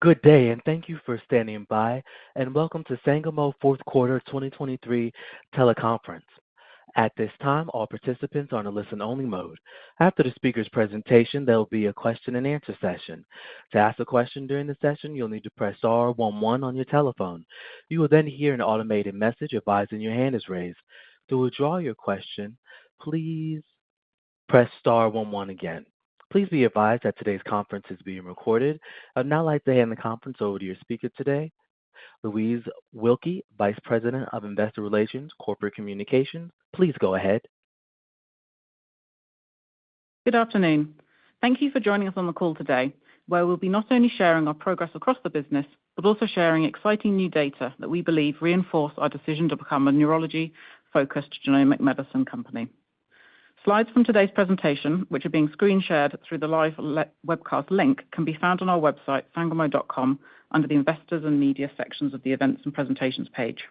Good day, and thank you for standing by, and welcome to Sangamo Fourth Quarter 2023 Teleconference. At this time, all participants are in a listen-only mode. After the speaker's presentation, there will be a question-and-answer session. To ask a question during the session, you'll need to press star one one on your telephone. You will then hear an automated message advising your hand is raised. To withdraw your question, please press star one one again. Please be advised that today's conference is being recorded. I'd now like to hand the conference over to your speaker today, Louise Wilkie, Vice President of Investor Relations, Corporate Communications. Please go ahead. Good afternoon. Thank you for joining us on the call today, where we'll be not only sharing our progress across the business but also sharing exciting new data that we believe reinforce our decision to become a neurology-focused genomic medicine company. Slides from today's presentation, which are being screen-shared through the live webcast link, can be found on our website, sangamo.com, under the Investors and Media sections of the Events and Presentations page.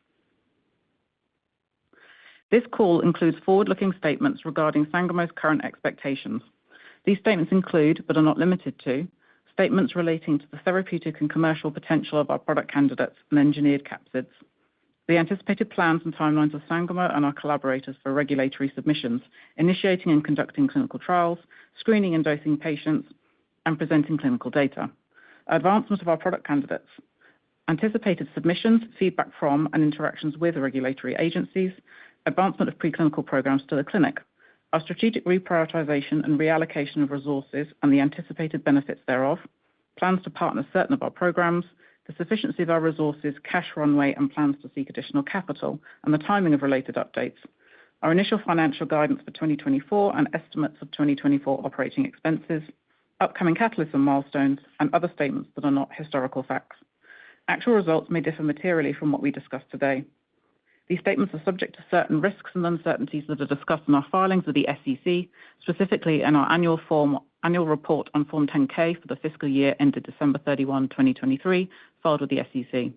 This call includes forward-looking statements regarding Sangamo's current expectations. These statements include, but are not limited to, statements relating to the therapeutic and commercial potential of our product candidates and engineered capsids, the anticipated plans and timelines of Sangamo and our collaborators for regulatory submissions, initiating and conducting clinical trials, screening and dosing patients, and presenting clinical data, advancement of our product candidates, anticipated submissions, feedback from, and interactions with regulatory agencies, advancement of preclinical programs to the clinic, our strategic reprioritization and reallocation of resources and the anticipated benefits thereof, plans to partner certain of our programs, the sufficiency of our resources, cash runway, and plans to seek additional capital, and the timing of related updates, our initial financial guidance for 2024 and estimates of 2024 operating expenses, upcoming catalysts and milestones, and other statements that are not historical facts. Actual results may differ materially from what we discuss today. These statements are subject to certain risks and uncertainties that are discussed in our filings with the SEC, specifically in our annual report on Form 10-K for the fiscal year ended December 31, 2023, filed with the SEC.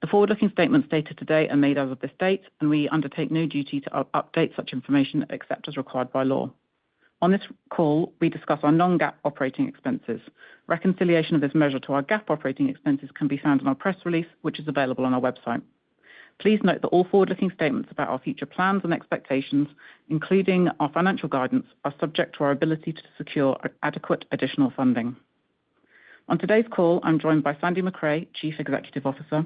The forward-looking statements dated today are made as of this date, and we undertake no duty to update such information except as required by law. On this call, we discuss our non-GAAP operating expenses. Reconciliation of this measure to our GAAP operating expenses can be found in our press release, which is available on our website. Please note that all forward-looking statements about our future plans and expectations, including our financial guidance, are subject to our ability to secure adequate additional funding. On today's call, I'm joined by Sandy Macrae, Chief Executive Officer,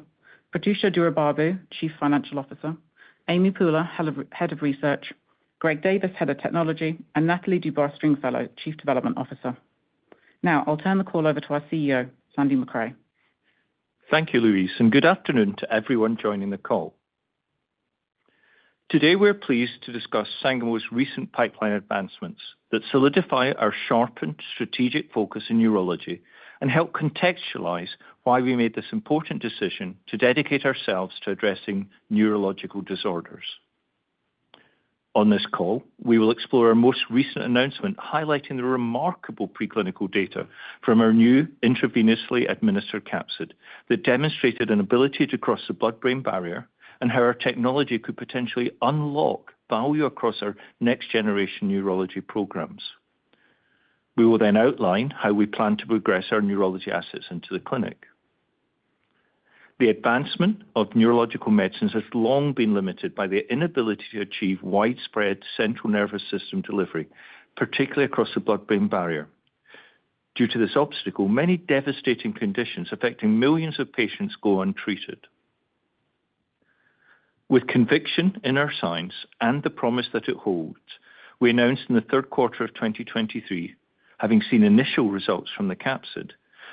Prathyusha Duraibabu, Chief Financial Officer, Amy Pooler, Head of Research, Greg Davis, Head of Technology, and Nathalie Dubois-Stringfellow, Chief Development Officer. Now I'll turn the call over to our CEO, Sandy Macrae. Thank you, Louise, and good afternoon to everyone joining the call. Today we're pleased to discuss Sangamo's recent pipeline advancements that solidify our sharpened strategic focus in neurology and help contextualize why we made this important decision to dedicate ourselves to addressing neurological disorders. On this call, we will explore our most recent announcement highlighting the remarkable preclinical data from our new intravenously administered capsid that demonstrated an ability to cross the blood-brain barrier and how our technology could potentially unlock value across our next-generation neurology programs. We will then outline how we plan to progress our neurology assets into the clinic. The advancement of neurological medicines has long been limited by the inability to achieve widespread central nervous system delivery, particularly across the blood-brain barrier. Due to this obstacle, many devastating conditions affecting millions of patients go untreated. With conviction in our science and the promise that it holds, we announced in the third quarter of 2023, having seen initial results from the capsid,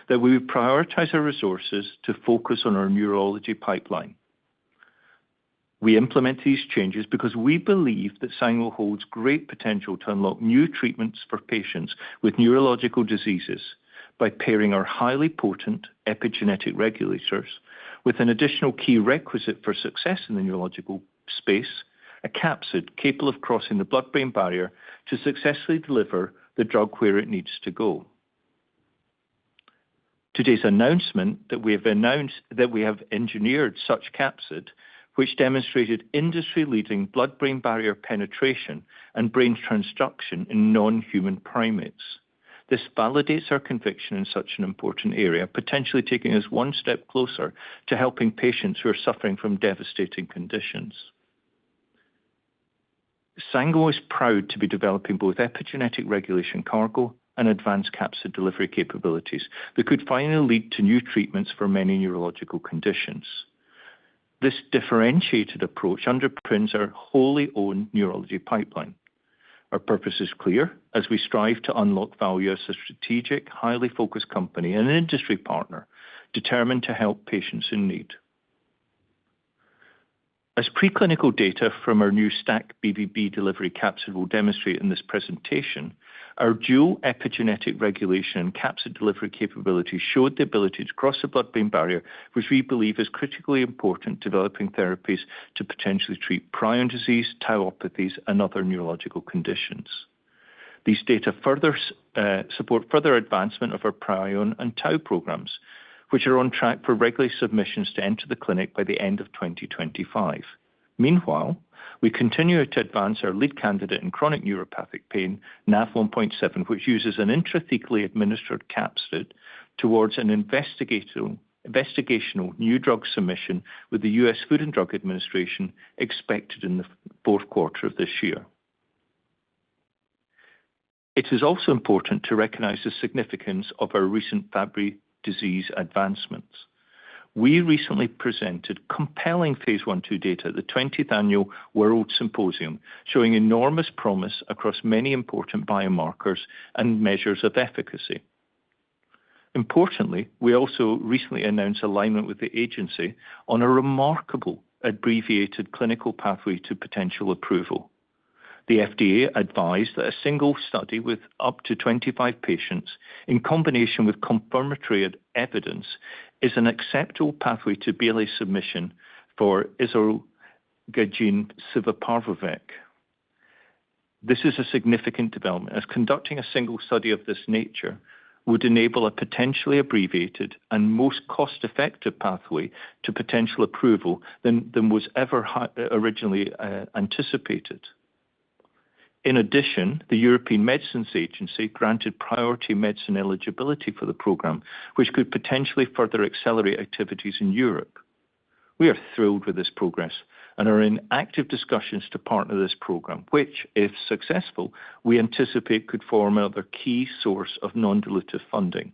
that we would prioritize our resources to focus on our neurology pipeline. We implement these changes because we believe that Sangamo holds great potential to unlock new treatments for patients with neurological diseases by pairing our highly potent epigenetic regulators with an additional key requisite for success in the neurological space: a capsid capable of crossing the blood-brain barrier to successfully deliver the drug where it needs to go. Today's announcement that we have engineered such capsid, which demonstrated industry-leading blood-brain barrier penetration and brain transduction in non-human primates. This validates our conviction in such an important area, potentially taking us one step closer to helping patients who are suffering from devastating conditions. Sangamo is proud to be developing both epigenetic regulation cargo and advanced capsid delivery capabilities that could finally lead to new treatments for many neurological conditions. This differentiated approach underpins our wholly owned neurology pipeline. Our purpose is clear as we strive to unlock value as a strategic, highly focused company and an industry partner determined to help patients in need. As preclinical data from our new STAC-BBB delivery capsid will demonstrate in this presentation, our dual epigenetic regulation and capsid delivery capabilities showed the ability to cross the blood-brain barrier, which we believe is critically important to developing therapies to potentially treat prion disease, tauopathies, and other neurological conditions. These data support further advancement of our prion and tau programs, which are on track for regulated submissions to enter the clinic by the end of 2025. Meanwhile, we continue to advance our lead candidate in chronic neuropathic pain, Nav1.7, which uses an intrathecally administered capsid towards an investigational new drug submission with the U.S. Food and Drug Administration, expected in the fourth quarter of this year. It is also important to recognize the significance of our recent Fabry disease advancements. We recently presented compelling phase I/II data at the 20th Annual World Symposium, showing enormous promise across many important biomarkers and measures of efficacy. Importantly, we also recently announced alignment with the agency on a remarkable abbreviated clinical pathway to potential approval. The FDA advised that a single study with up to 25 patients, in combination with confirmatory evidence, is an acceptable pathway to BLA submission for isaralgagene civaparvovec. This is a significant development, as conducting a single study of this nature would enable a potentially abbreviated and most cost-effective pathway to potential approval than was ever originally anticipated. In addition, the European Medicines Agency granted priority medicine eligibility for the program, which could potentially further accelerate activities in Europe. We are thrilled with this progress and are in active discussions to partner this program, which, if successful, we anticipate could form another key source of non-dilutive funding.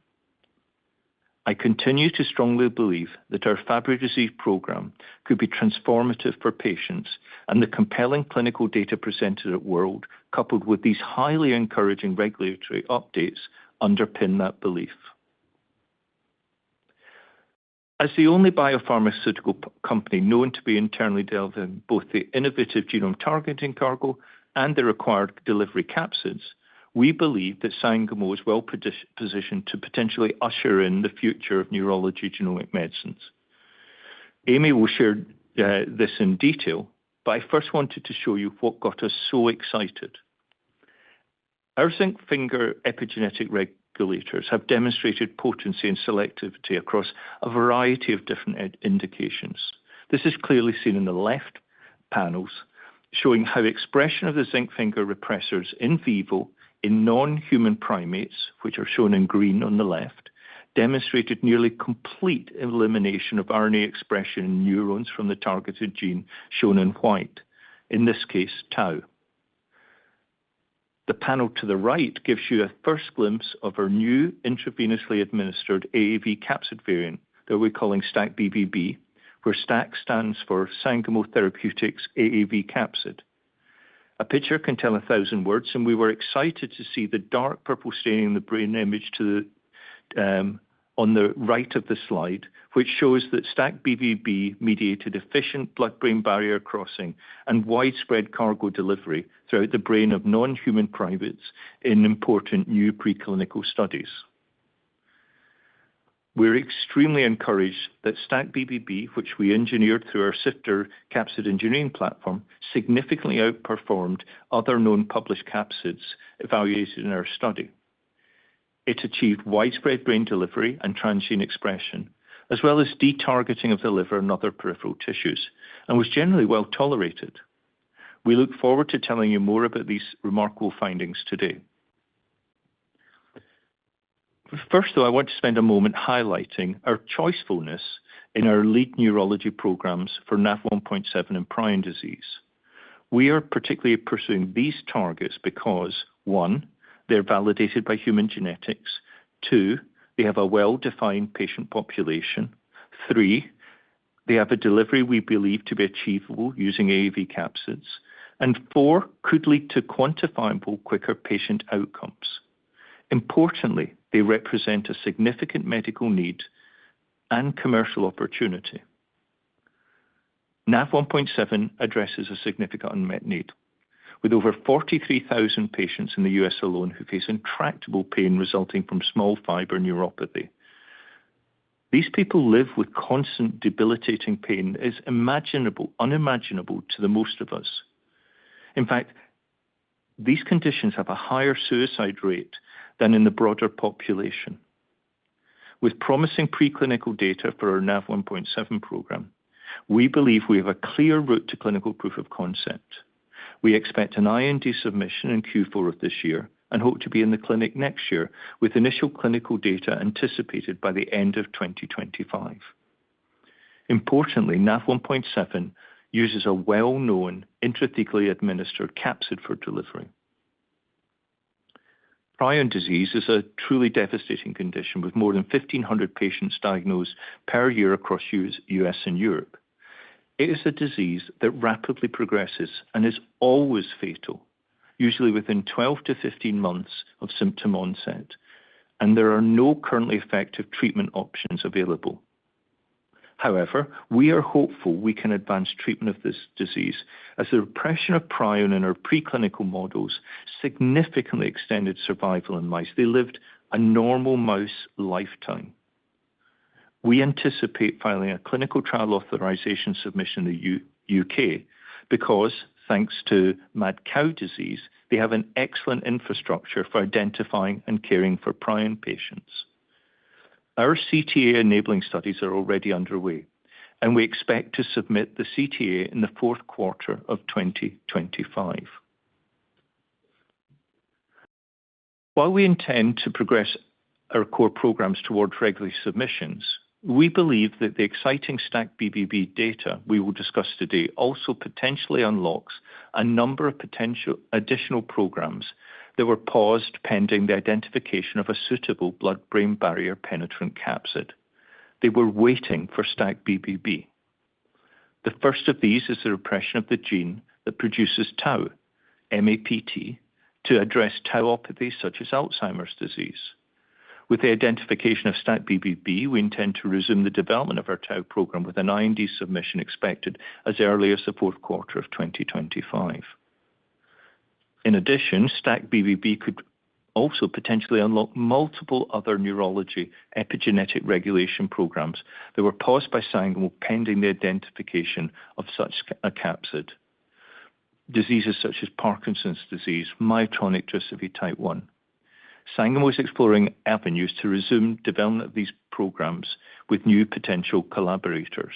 I continue to strongly believe that our Fabry Disease Program could be transformative for patients, and the compelling clinical data presented at world, coupled with these highly encouraging regulatory updates, underpin that belief. As the only biopharmaceutical company known to be internally delving both the innovative genome-targeting cargo and the required delivery capsids, we believe that Sangamo is well-positioned to potentially usher in the future of neurology genomic medicines. Amy will share this in detail, but I first wanted to show you what got us so excited. Our zinc finger epigenetic regulators have demonstrated potency and selectivity across a variety of different indications. This is clearly seen in the left panels, showing how expression of the zinc finger repressors in vivo in non-human primates, which are shown in green on the left, demonstrated nearly complete elimination of RNA expression in neurons from the targeted gene shown in white, in this case, tau. The panel to the right gives you a first glimpse of our new intravenously administered AAV capsid variant that we're calling STAC-BBB, where STAC stands for Sangamo Therapeutics AAV capsid. A picture can tell 1,000 words, and we were excited to see the dark purple staining in the brain image on the right of the slide, which shows that STAC-BBB mediated efficient blood-brain barrier crossing and widespread cargo delivery throughout the brain of non-human primates in important new preclinical studies. We're extremely encouraged that STAC-BBB, which we engineered through our SIFTER capsid engineering platform, significantly outperformed other known published capsids evaluated in our study. It achieved widespread brain delivery and transgene expression, as well as detargeting of the liver and other peripheral tissues, and was generally well-tolerated. We look forward to telling you more about these remarkable findings today. First, though, I want to spend a moment highlighting our choosiness in our lead neurology programs for Nav1.7 and prion disease. We are particularly pursuing these targets because, one, they're validated by human genetics. Two, they have a well-defined patient population. Three, they have a delivery we believe to be achievable using AAV capsids. And four, could lead to quantifiable, quicker patient outcomes. Importantly, they represent a significant medical need and commercial opportunity. Nav1.7 addresses a significant unmet need, with over 43,000 patients in the U.S. alone who face intractable pain resulting from small fiber neuropathy. These people live with constant, debilitating pain, unimaginable to most of us. In fact, these conditions have a higher suicide rate than in the broader population. With promising preclinical data for our Nav1.7 program, we believe we have a clear route to clinical proof of concept. We expect an IND submission in Q4 of this year and hope to be in the clinic next year with initial clinical data anticipated by the end of 2025. Importantly, Nav1.7 uses a well-known, intrathecally administered capsid for delivery. Prion disease is a truly devastating condition, with more than 1,500 patients diagnosed per year across the U.S. and Europe. It is a disease that rapidly progresses and is always fatal, usually within 12-15 months of symptom onset, and there are no currently effective treatment options available. However, we are hopeful we can advance treatment of this disease, as the repression of prion in our preclinical models significantly extended survival in mice. They lived a normal mouse lifetime. We anticipate filing a clinical trial authorization submission in the U.K. because, thanks to mad cow disease, they have an excellent infrastructure for identifying and caring for prion patients. Our CTA-enabling studies are already underway, and we expect to submit the CTA in the fourth quarter of 2025. While we intend to progress our core programs towards regulated submissions, we believe that the exciting STAC-BBB data we will discuss today also potentially unlocks a number of additional programs that were paused pending the identification of a suitable blood-brain barrier penetrant capsid. They were waiting for STAC-BBB. The first of these is the repression of the gene that produces tau, MAPT, to address tauopathies such as Alzheimer's disease. With the identification of STAC-BBB, we intend to resume the development of our tau program, with an IND submission expected as early as the fourth quarter of 2025. In addition, STAC-BBB could also potentially unlock multiple other neurology epigenetic regulation programs that were paused by Sangamo pending the identification of such a capsid: diseases such as Parkinson's disease, myotonic dystrophy type 1. Sangamo is exploring avenues to resume development of these programs with new potential collaborators.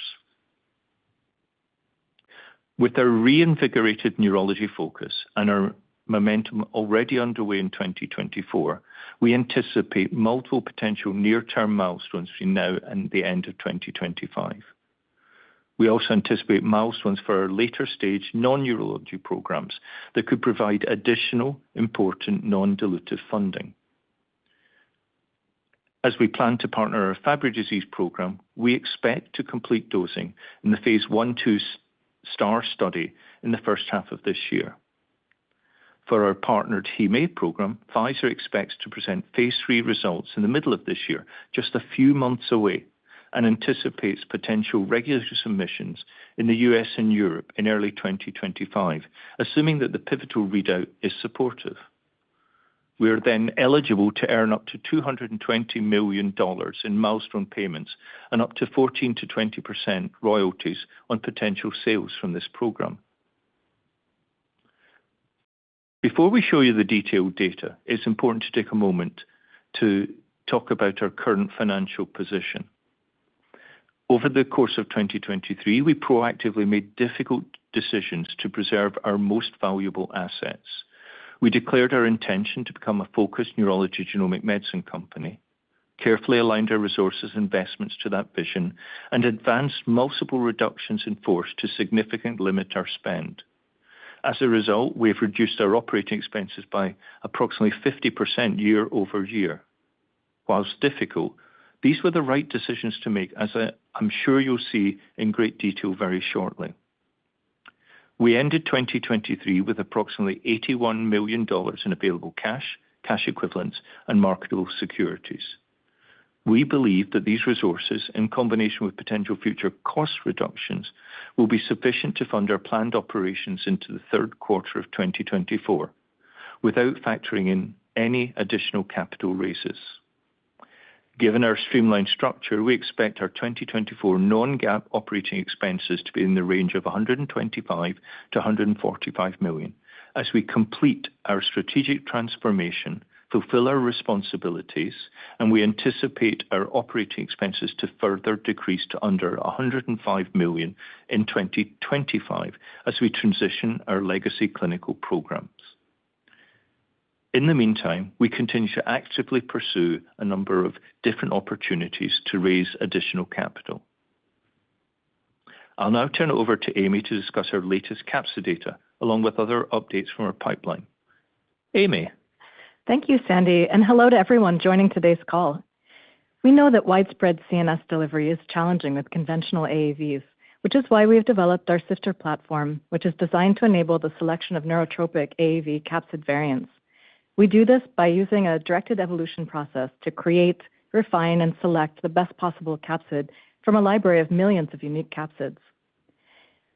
With our reinvigorated neurology focus and our momentum already underway in 2024, we anticipate multiple potential near-term milestones between now and the end of 2025. We also anticipate milestones for our later-stage non-neurology programs that could provide additional important non-dilutive funding. As we plan to partner our Fabry Disease Program, we expect to complete dosing in the phase I/II STAR study in the first half of this year. For our partnered hemophilia A program, Pfizer expects to present phase III results in the middle of this year, just a few months away, and anticipates potential regulatory submissions in the U.S. Europe in early 2025, assuming that the pivotal readout is supportive. We are then eligible to earn up to $220 million in milestone payments and up to 14%-20% royalties on potential sales from this program. Before we show you the detailed data, it's important to take a moment to talk about our current financial position. Over the course of 2023, we proactively made difficult decisions to preserve our most valuable assets. We declared our intention to become a focused neurology genomic medicine company, carefully aligned our resources and investments to that vision, and advanced multiple reductions in force to significantly limit our spend. As a result, we have reduced our operating expenses by approximately 50% year-over-year. While difficult, these were the right decisions to make, as I'm sure you'll see in great detail very shortly. We ended 2023 with approximately $81 million in available cash, cash equivalents, and marketable securities. We believe that these resources, in combination with potential future cost reductions, will be sufficient to fund our planned operations into the third quarter of 2024 without factoring in any additional capital raises. Given our streamlined structure, we expect our 2024 non-GAAP operating expenses to be in the range of $125 million-$145 million as we complete our strategic transformation, fulfill our responsibilities. We anticipate our operating expenses to further decrease to under $105 million in 2025 as we transition our legacy clinical programs. In the meantime, we continue to actively pursue a number of different opportunities to raise additional capital. I'll now turn it over to Amy to discuss our latest capsid data, along with other updates from our pipeline. Amy. Thank you, Sandy, and hello to everyone joining today's call. We know that widespread CNS delivery is challenging with conventional AAVs, which is why we have developed our SIFTER platform, which is designed to enable the selection of neurotropic AAV capsid variants. We do this by using a directed evolution process to create, refine, and select the best possible capsid from a library of millions of unique capsids.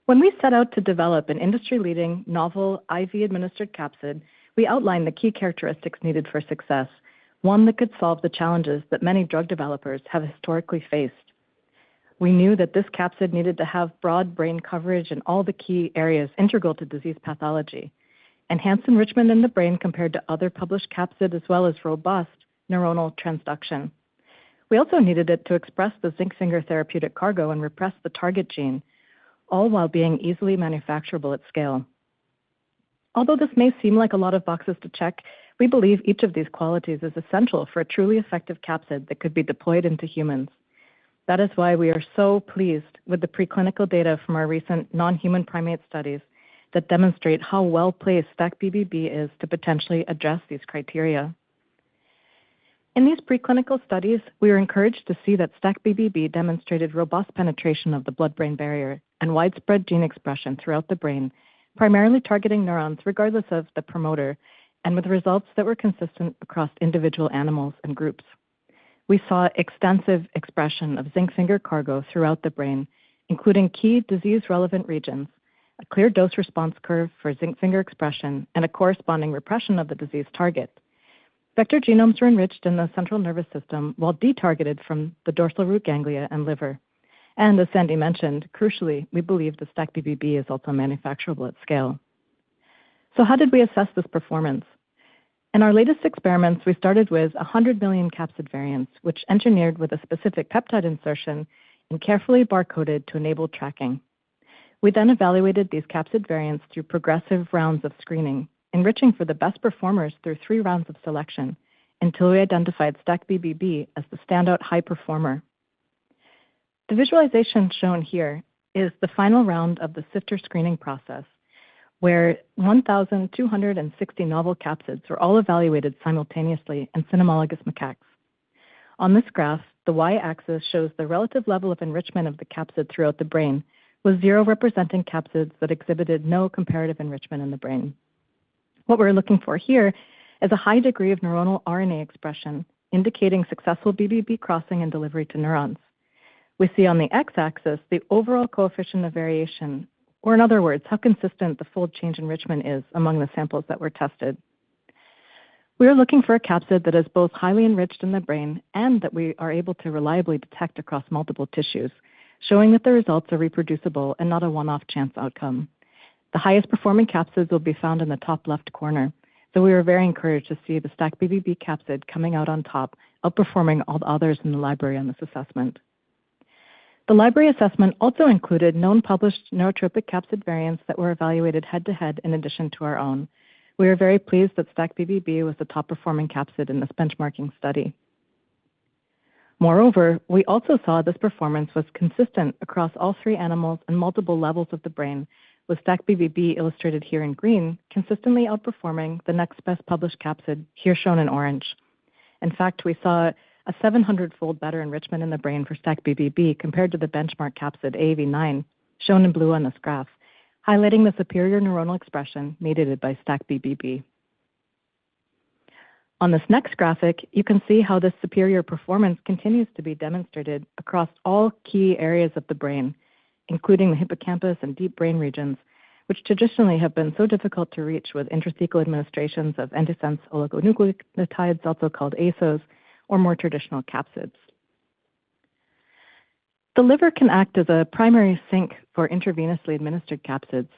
When we set out to develop an industry-leading, novel IV-administered capsid, we outlined the key characteristics needed for success, one that could solve the challenges that many drug developers have historically faced. We knew that this capsid needed to have broad brain coverage in all the key areas integral to disease pathology, enhanced enrichment in the brain compared to other published capsid, as well as robust neuronal transduction. We also needed it to express the zinc finger therapeutic cargo and repress the target gene, all while being easily manufacturable at scale. Although this may seem like a lot of boxes to check, we believe each of these qualities is essential for a truly effective capsid that could be deployed into humans. That is why we are so pleased with the preclinical data from our recent non-human primate studies that demonstrate how well-placed STAC-BBB is to potentially address these criteria. In these preclinical studies, we were encouraged to see that STAC-BBB demonstrated robust penetration of the blood-brain barrier and widespread gene expression throughout the brain, primarily targeting neurons regardless of the promoter, and with results that were consistent across individual animals and groups. We saw extensive expression of zinc finger cargo throughout the brain, including key disease-relevant regions, a clear dose-response curve for zinc finger expression, and a corresponding repression of the disease target. Vector genomes were enriched in the central nervous system while detargeted from the dorsal root ganglia and liver. As Sandy mentioned, crucially, we believe the STAC-BBB is also manufacturable at scale. How did we assess this performance? In our latest experiments, we started with 100 million capsid variants, which engineered with a specific peptide insertion and carefully barcoded to enable tracking. We then evaluated these capsid variants through progressive rounds of screening, enriching for the best performers through three rounds of selection until we identified STAC-BBB as the standout high performer. The visualization shown here is the final round of the SIFTER screening process, where 1,260 novel capsids were all evaluated simultaneously in cynomolgus macaques. On this graph, the Y-axis shows the relative level of enrichment of the capsid throughout the brain, with zero representing capsids that exhibited no comparative enrichment in the brain. What we're looking for here is a high degree of neuronal RNA expression indicating successful BBB crossing and delivery to neurons. We see on the X-axis the overall coefficient of variation, or in other words, how consistent the fold change enrichment is among the samples that were tested. We are looking for a capsid that is both highly enriched in the brain and that we are able to reliably detect across multiple tissues, showing that the results are reproducible and not a one-off chance outcome. The highest performing capsids will be found in the top left corner, so we are very encouraged to see the STAC-BBB capsid coming out on top, outperforming all the others in the library on this assessment. The library assessment also included known published neurotropic capsid variants that were evaluated head-to-head in addition to our own. We are very pleased that STAC-BBB was the top-performing capsid in this benchmarking study. Moreover, we also saw this performance was consistent across all three animals and multiple levels of the brain, with STAC-BBB illustrated here in green consistently outperforming the next best published capsid here shown in orange. In fact, we saw a 700-fold better enrichment in the brain for STAC-BBB compared to the benchmark capsid AAV9 shown in blue on this graph, highlighting the superior neuronal expression needed by STAC-BBB. On this next graphic, you can see how this superior performance continues to be demonstrated across all key areas of the brain, including the hippocampus and deep brain regions, which traditionally have been so difficult to reach with intrathecal administrations of antisense oligonucleotides, also called ASOs, or more traditional capsids. The liver can act as a primary sink for intravenously administered capsids.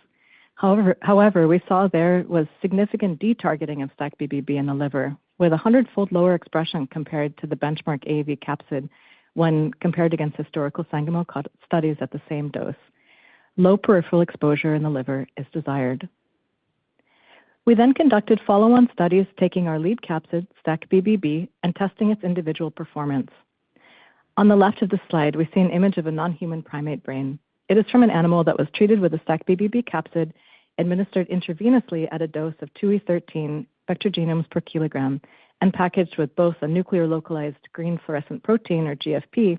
However, we saw there was significant detargeting of STAC-BBB in the liver, with 100-fold lower expression compared to the benchmark AAV capsid when compared against historical Sangamo studies at the same dose. Low peripheral exposure in the liver is desired. We then conducted follow-on studies taking our lead capsid, STAC-BBB, and testing its individual performance. On the left of the slide, we see an image of a non-human primate brain. It is from an animal that was treated with a STAC-BBB capsid, administered intravenously at a dose of 2E13 vector genomes per kilogram, and packaged with both a nuclear-localized green fluorescent protein, or GFP,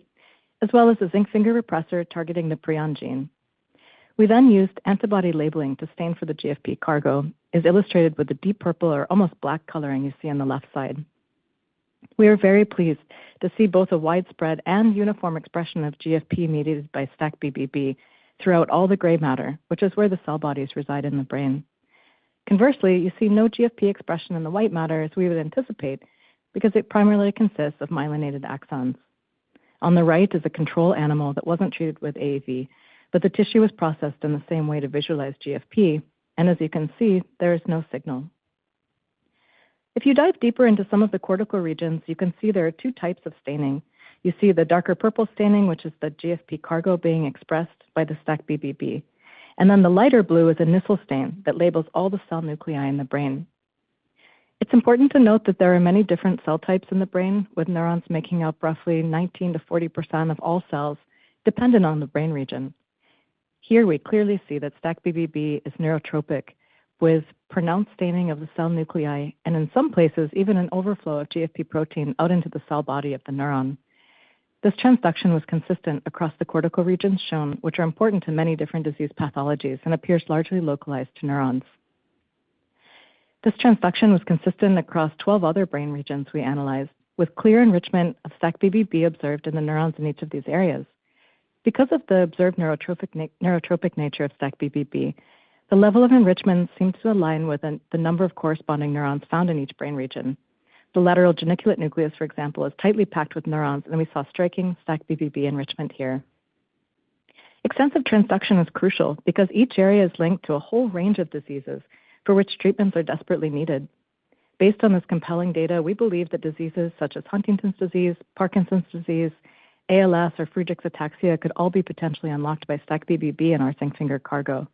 as well as a zinc finger repressor targeting the prion gene. We then used antibody labeling to stain for the GFP cargo, as illustrated with the deep purple or almost black coloring you see on the left side. We are very pleased to see both a widespread and uniform expression of GFP mediated by STAC-BBB throughout all the gray matter, which is where the cell bodies reside in the brain. Conversely, you see no GFP expression in the white matter, as we would anticipate, because it primarily consists of myelinated axons. On the right is a control animal that wasn't treated with AAV, but the tissue was processed in the same way to visualize GFP, and as you can see, there is no signal. If you dive deeper into some of the cortical regions, you can see there are two types of staining. You see the darker purple staining, which is the GFP cargo being expressed by the STAC-BBB, and then the lighter blue is a Nissl stain that labels all the cell nuclei in the brain. It's important to note that there are many different cell types in the brain, with neurons making up roughly 19%-40% of all cells, dependent on the brain region. Here we clearly see that STAC-BBB is neurotropic, with pronounced staining of the cell nuclei and in some places even an overflow of GFP protein out into the cell body of the neuron. This transduction was consistent across the cortical regions shown, which are important to many different disease pathologies and appears largely localized to neurons. This transduction was consistent across 12 other brain regions we analyzed, with clear enrichment of STAC-BBB observed in the neurons in each of these areas. Because of the observed neurotropic nature of STAC-BBB, the level of enrichment seemed to align with the number of corresponding neurons found in each brain region. The lateral geniculate nucleus, for example, is tightly packed with neurons, and we saw striking STAC-BBB enrichment here. Extensive transduction is crucial because each area is linked to a whole range of diseases for which treatments are desperately needed. Based on this compelling data, we believe that diseases such as Huntington's disease, Parkinson's disease, ALS, or Friedreich's ataxia could all be potentially unlocked by STAC-BBB and our zinc finger cargo.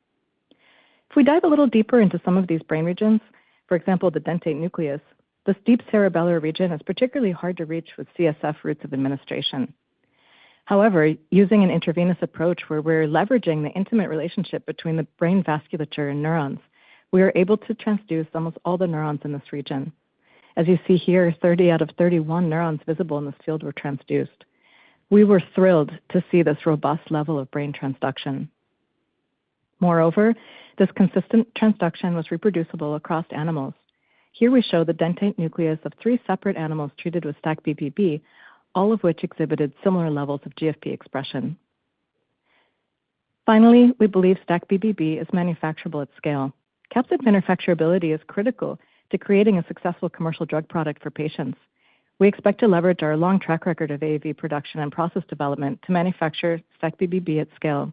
If we dive a little deeper into some of these brain regions, for example, the dentate nucleus, this deep cerebellar region is particularly hard to reach with CSF routes of administration. However, using an intravenous approach where we're leveraging the intimate relationship between the brain vasculature and neurons, we are able to transduce almost all the neurons in this region. As you see here, 30 out of 31 neurons visible in this field were transduced. We were thrilled to see this robust level of brain transduction. Moreover, this consistent transduction was reproducible across animals. Here we show the dentate nucleus of three separate animals treated with STAC-BBB, all of which exhibited similar levels of GFP expression. Finally, we believe STAC-BBB is manufacturable at scale. Capsid manufacturability is critical to creating a successful commercial drug product for patients. We expect to leverage our long track record of AAV production and process development to manufacture STAC-BBB at scale.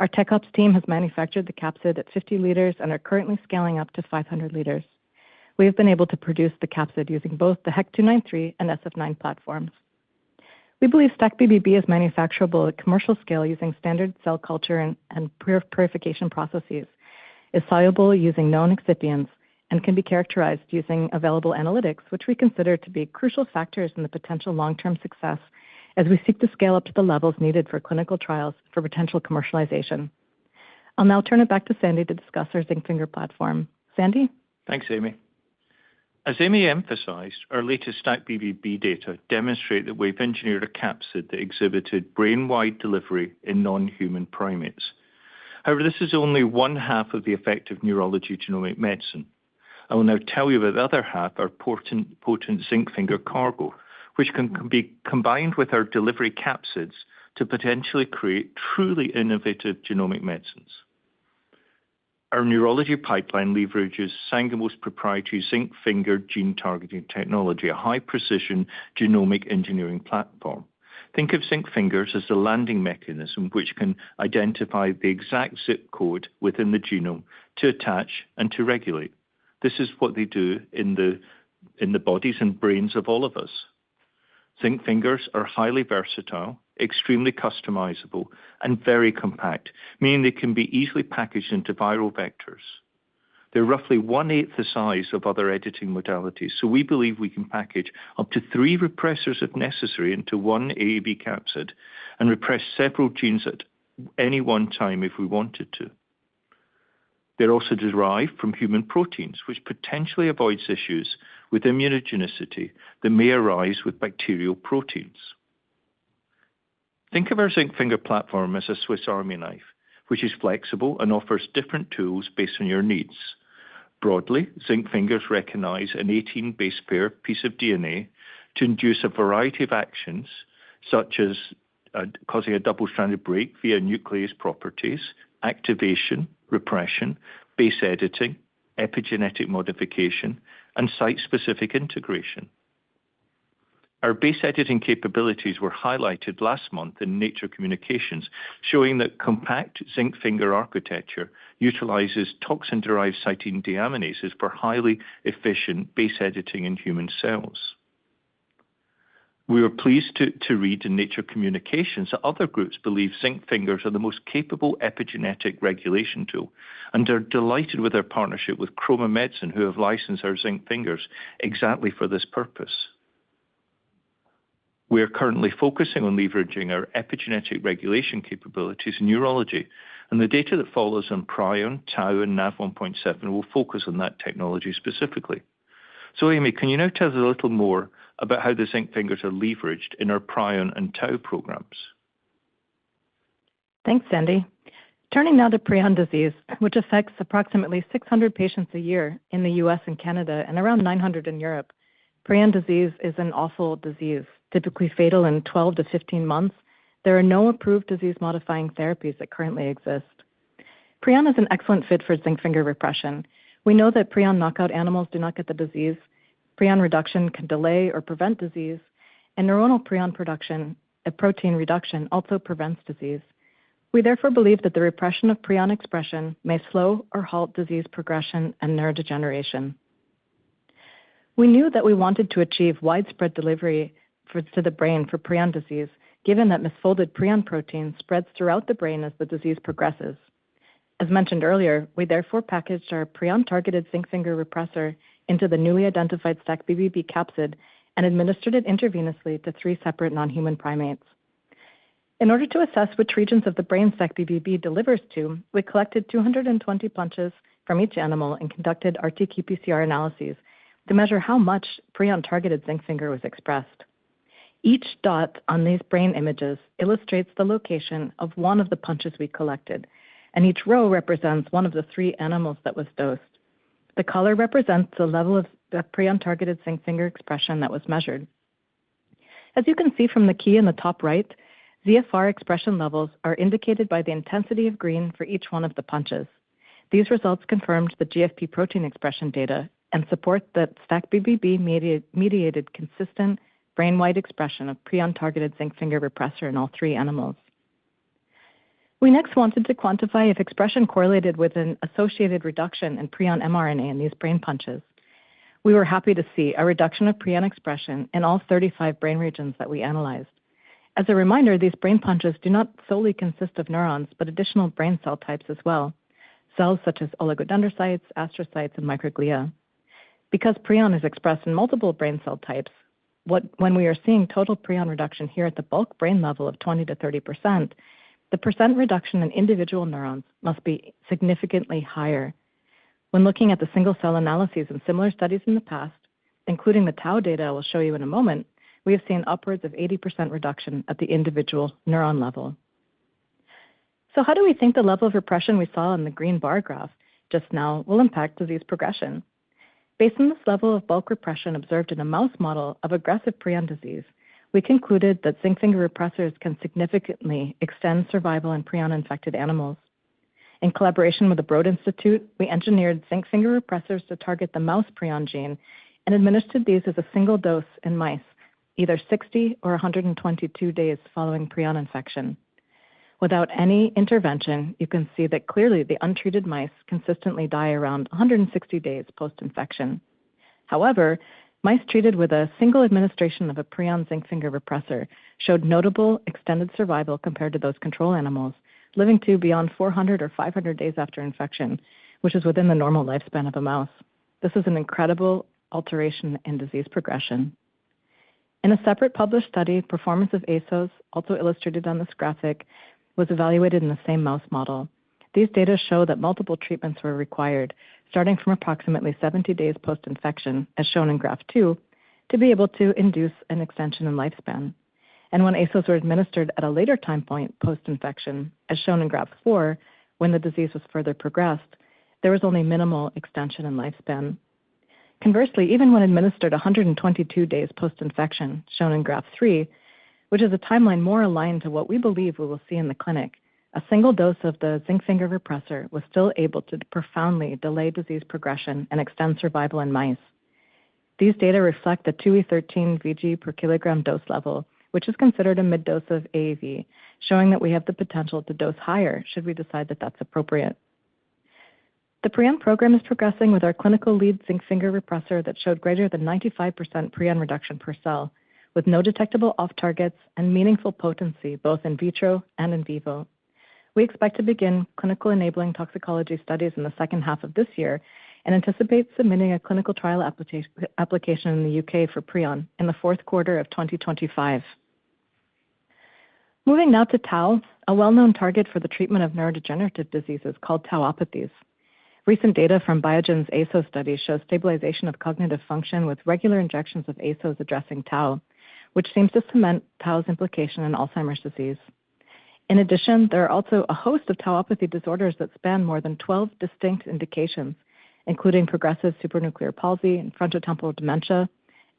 Our tech ops team has manufactured the capsid at 50 liters and are currently scaling up to 500 liters. We have been able to produce the capsid using both the HEK-293 and Sf9 platforms. We believe STAC-BBB is manufacturable at commercial scale using standard cell culture and purification processes, is soluble using known excipients, and can be characterized using available analytics, which we consider to be crucial factors in the potential long-term success as we seek to scale up to the levels needed for clinical trials for potential commercialization. I'll now turn it back to Sandy to discuss our zinc finger platform. Sandy. Thanks, Amy. As Amy emphasized, our latest STAC-BBB data demonstrate that we've engineered a capsid that exhibited brainwide delivery in non-human primates. However, this is only one half of the effect of neurology genomic medicine. I will now tell you about the other half, our potent zinc finger cargo, which can be combined with our delivery capsids to potentially create truly innovative genomic medicines. Our neurology pipeline leverages Sangamo's proprietary zinc finger gene targeting technology, a high-precision genomic engineering platform. Think of zinc fingers as the landing mechanism which can identify the exact ZIP code within the genome to attach and to regulate. This is what they do in the bodies and brains of all of us. Zinc fingers are highly versatile, extremely customizable, and very compact, meaning they can be easily packaged into viral vectors. They're roughly one-eighth the size of other editing modalities, so we believe we can package up to three repressors if necessary into one AAV capsid and repress several genes at any one time if we wanted to. They're also derived from human proteins, which potentially avoids issues with immunogenicity that may arise with bacterial proteins. Think of our zinc finger platform as a Swiss Army knife, which is flexible and offers different tools based on your needs. Broadly, zinc fingers recognize an 18-base pair piece of DNA to induce a variety of actions, such as causing a double-stranded break via nuclease properties, activation, repression, base editing, epigenetic modification, and site-specific integration. Our base editing capabilities were highlighted last month in Nature Communications, showing that compact zinc finger architecture utilizes toxin-derived cytidine deaminases for highly efficient base editing in human cells. We were pleased to read in Nature Communications that other groups believe zinc fingers are the most capable epigenetic regulation tool, and are delighted with our partnership with Chroma Medicine, who have licensed our zinc fingers exactly for this purpose. We are currently focusing on leveraging our epigenetic regulation capabilities in neurology, and the data that follows on prion, tau, and Nav1.7 will focus on that technology specifically. So, Amy, can you now tell us a little more about how the zinc fingers are leveraged in our prion and tau programs? Thanks, Sandy. Turning now to prion disease, which affects approximately 600 patients a year in the U.S. and Canada and around 900 in Europe. Prion disease is an awful disease, typically fatal in 12-15 months. There are no approved disease-modifying therapies that currently exist. Prion is an excellent fit for zinc finger repression. We know that prion knockout animals do not get the disease. Prion reduction can delay or prevent disease, and neuronal prion production, a protein reduction, also prevents disease. We therefore believe that the repression of prion expression may slow or halt disease progression and neurodegeneration. We knew that we wanted to achieve widespread delivery to the brain for prion disease, given that misfolded prion protein spreads throughout the brain as the disease progresses. As mentioned earlier, we therefore packaged our prion-targeted zinc finger repressor into the newly identified STAC-BBB capsid and administered it intravenously to three separate non-human primates. In order to assess which regions of the brain STAC-BBB delivers to, we collected 220 punches from each animal and conducted RT-qPCR analyses to measure how much prion-targeted zinc finger was expressed. Each dot on these brain images illustrates the location of one of the punches we collected, and each row represents one of the three animals that was dosed. The color represents the level of prion-targeted zinc finger expression that was measured. As you can see from the key in the top right, ZFR expression levels are indicated by the intensity of green for each one of the punches. These results confirmed the GFP protein expression data and support that STAC-BBB mediated consistent brain-wide expression of prion-targeted zinc finger repressor in all three animals. We next wanted to quantify if expression correlated with an associated reduction in prion mRNA in these brain punches. We were happy to see a reduction of prion expression in all 35 brain regions that we analyzed. As a reminder, these brain punches do not solely consist of neurons, but additional brain cell types as well, cells such as oligodendrocytes, astrocytes, and microglia. Because prion is expressed in multiple brain cell types, when we are seeing total prion reduction here at the bulk brain level of 20%-30%, the percent reduction in individual neurons must be significantly higher. When looking at the single-cell analyses and similar studies in the past, including the tau data I will show you in a moment, we have seen upwards of 80% reduction at the individual neuron level. So how do we think the level of repression we saw in the green bar graph just now will impact disease progression? Based on this level of bulk repression observed in a mouse model of aggressive prion disease, we concluded that zinc finger repressors can significantly extend survival in prion-infected animals. In collaboration with the Broad Institute, we engineered zinc finger repressors to target the mouse prion gene and administered these as a single dose in mice, either 60 or 122 days following prion infection. Without any intervention, you can see that clearly the untreated mice consistently die around 160 days post-infection. However, mice treated with a single administration of a prion zinc finger repressor showed notable extended survival compared to those control animals, living to beyond 400 or 500 days after infection, which is within the normal lifespan of a mouse. This is an incredible alteration in disease progression. In a separate published study, performance of ASOs, also illustrated on this graphic, was evaluated in the same mouse model. These data show that multiple treatments were required, starting from approximately 70 days post-infection, as shown in graph two, to be able to induce an extension in lifespan. When ASOs were administered at a later time point post-infection, as shown in graph four, when the disease was further progressed, there was only minimal extension in lifespan. Conversely, even when administered 122 days post-infection, shown in graph three, which is a timeline more aligned to what we believe we will see in the clinic, a single dose of the zinc finger repressor was still able to profoundly delay disease progression and extend survival in mice. These data reflect the 2E13 Vg per kilogram dose level, which is considered a mid-dose of AAV, showing that we have the potential to dose higher should we decide that that's appropriate. The prion program is progressing with our clinical lead zinc finger repressor that showed greater than 95% prion reduction per cell, with no detectable off-targets and meaningful potency both in vitro and in vivo. We expect to begin clinical enabling toxicology studies in the second half of this year and anticipate submitting a clinical trial application in the U.K. for prion in the fourth quarter of 2025. Moving now to tau, a well-known target for the treatment of neurodegenerative diseases called tauopathies. Recent data from Biogen's ASO study shows stabilization of cognitive function with regular injections of ASOs addressing tau, which seems to cement tau's implication in Alzheimer's disease. In addition, there are also a host of tauopathy disorders that span more than 12 distinct indications, including progressive supranuclear palsy and frontotemporal dementia,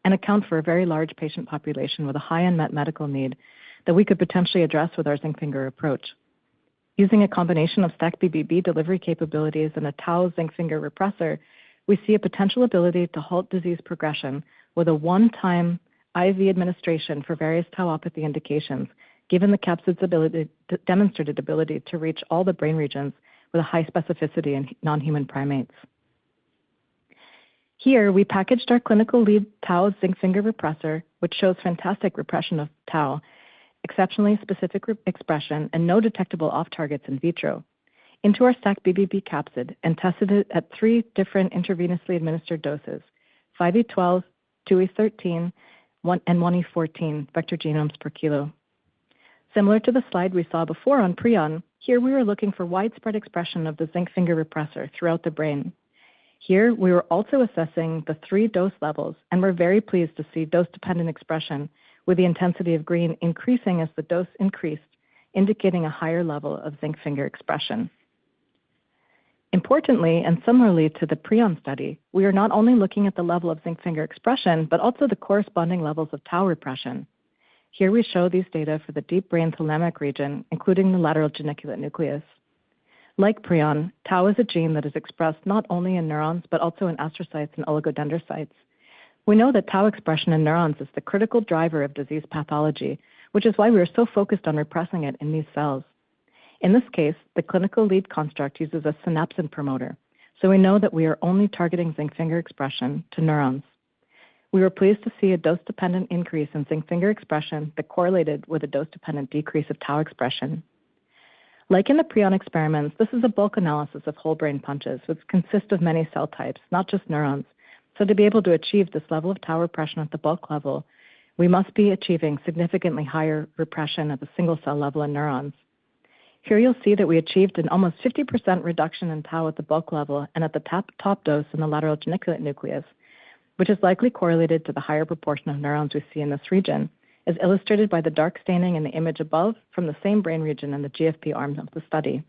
and account for a very large patient population with a high unmet medical need that we could potentially address with our zinc finger approach. Using a combination of STAC-BBB delivery capabilities and a tau zinc finger repressor, we see a potential ability to halt disease progression with a one-time IV administration for various tauopathy indications, given the capsid's demonstrated ability to reach all the brain regions with a high specificity in non-human primates. Here, we packaged our clinical lead tau zinc finger repressor, which shows fantastic repression of tau, exceptionally specific expression, and no detectable off-targets in vitro, into our STAC-BBB capsid and tested it at three different intravenously administered doses, 5E12, 2E13, and 1E14 vector genomes per kilo. Similar to the slide we saw before on prion, here we were looking for widespread expression of the zinc finger repressor throughout the brain. Here, we were also assessing the three dose levels and were very pleased to see dose-dependent expression, with the intensity of green increasing as the dose increased, indicating a higher level of zinc finger expression. Importantly, and similarly to the prion study, we are not only looking at the level of zinc finger expression, but also the corresponding levels of tau repression. Here we show these data for the deep brain thalamic region, including the lateral geniculate nucleus. Like prion, tau is a gene that is expressed not only in neurons but also in astrocytes and oligodendrocytes. We know that tau expression in neurons is the critical driver of disease pathology, which is why we are so focused on repressing it in these cells. In this case, the clinical lead construct uses a synapsin promoter, so we know that we are only targeting zinc finger expression to neurons. We were pleased to see a dose-dependent increase in zinc finger expression that correlated with a dose-dependent decrease of tau expression. Like in the prion experiments, this is a bulk analysis of whole brain punches, which consist of many cell types, not just neurons. So to be able to achieve this level of tau repression at the bulk level, we must be achieving significantly higher repression at the single-cell level in neurons. Here you'll see that we achieved an almost 50% reduction in tau at the bulk level and at the top dose in the lateral geniculate nucleus, which is likely correlated to the higher proportion of neurons we see in this region, as illustrated by the dark staining in the image above from the same brain region in the GFP arms of the study.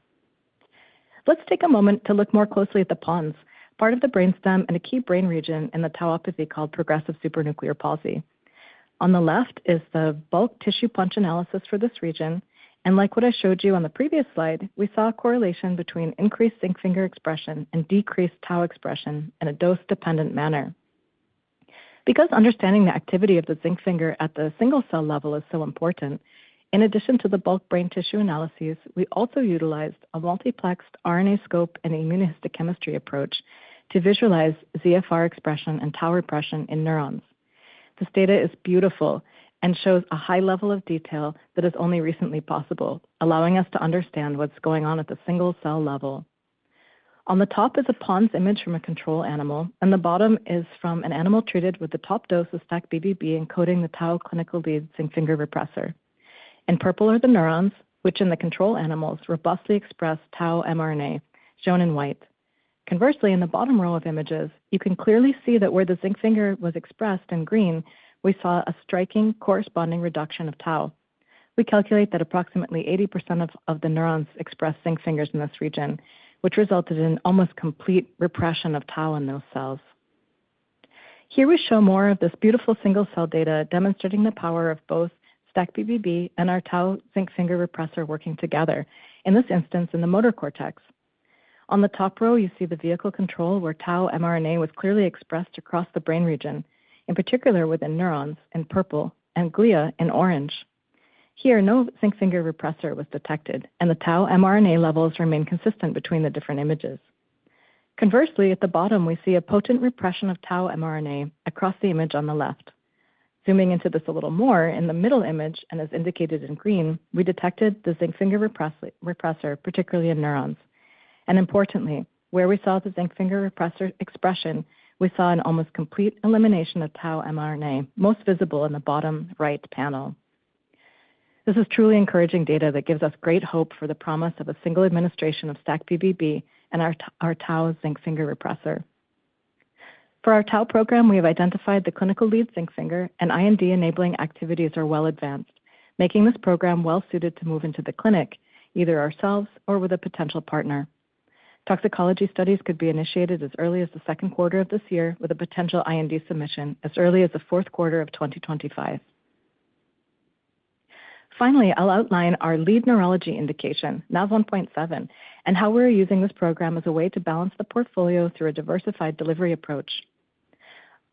Let's take a moment to look more closely at the pons, part of the brainstem and a key brain region in the tauopathy called progressive supranuclear palsy. On the left is the bulk tissue punch analysis for this region, and like what I showed you on the previous slide, we saw a correlation between increased zinc finger expression and decreased tau expression in a dose-dependent manner. Because understanding the activity of the zinc finger at the single-cell level is so important, in addition to the bulk brain tissue analyses, we also utilized a multiplexed RNAscope and immunohistochemistry approach to visualize ZFR expression and tau repression in neurons. This data is beautiful and shows a high level of detail that is only recently possible, allowing us to understand what's going on at the single-cell level. On the top is a pons image from a control animal, and the bottom is from an animal treated with the top dose of STAC-BBB encoding the tau clinical lead zinc finger repressor. In purple are the neurons, which in the control animals robustly express tau mRNA, shown in white. Conversely, in the bottom row of images, you can clearly see that where the zinc finger was expressed in green, we saw a striking corresponding reduction of tau. We calculate that approximately 80% of the neurons express zinc fingers in this region, which resulted in almost complete repression of tau in those cells. Here we show more of this beautiful single-cell data demonstrating the power of both STAC-BBB and our tau zinc finger repressor working together, in this instance in the motor cortex. On the top row, you see the vehicle control where tau mRNA was clearly expressed across the brain region, in particular within neurons in purple and glia in orange. Here, no zinc finger repressor was detected, and the tau mRNA levels remain consistent between the different images. Conversely, at the bottom, we see a potent repression of tau mRNA across the image on the left. Zooming into this a little more in the middle image and as indicated in green, we detected the zinc finger repressor, particularly in neurons. And importantly, where we saw the zinc finger repressor expression, we saw an almost complete elimination of tau mRNA, most visible in the bottom right panel. This is truly encouraging data that gives us great hope for the promise of a single administration of STAC-BBB and our tau zinc finger repressor. For our tau program, we have identified the clinical lead zinc finger, and IND enabling activities are well advanced, making this program well suited to move into the clinic, either ourselves or with a potential partner. Toxicology studies could be initiated as early as the second quarter of this year with a potential IND submission as early as the fourth quarter of 2025. Finally, I'll outline our lead neurology indication, Nav1.7, and how we're using this program as a way to balance the portfolio through a diversified delivery approach.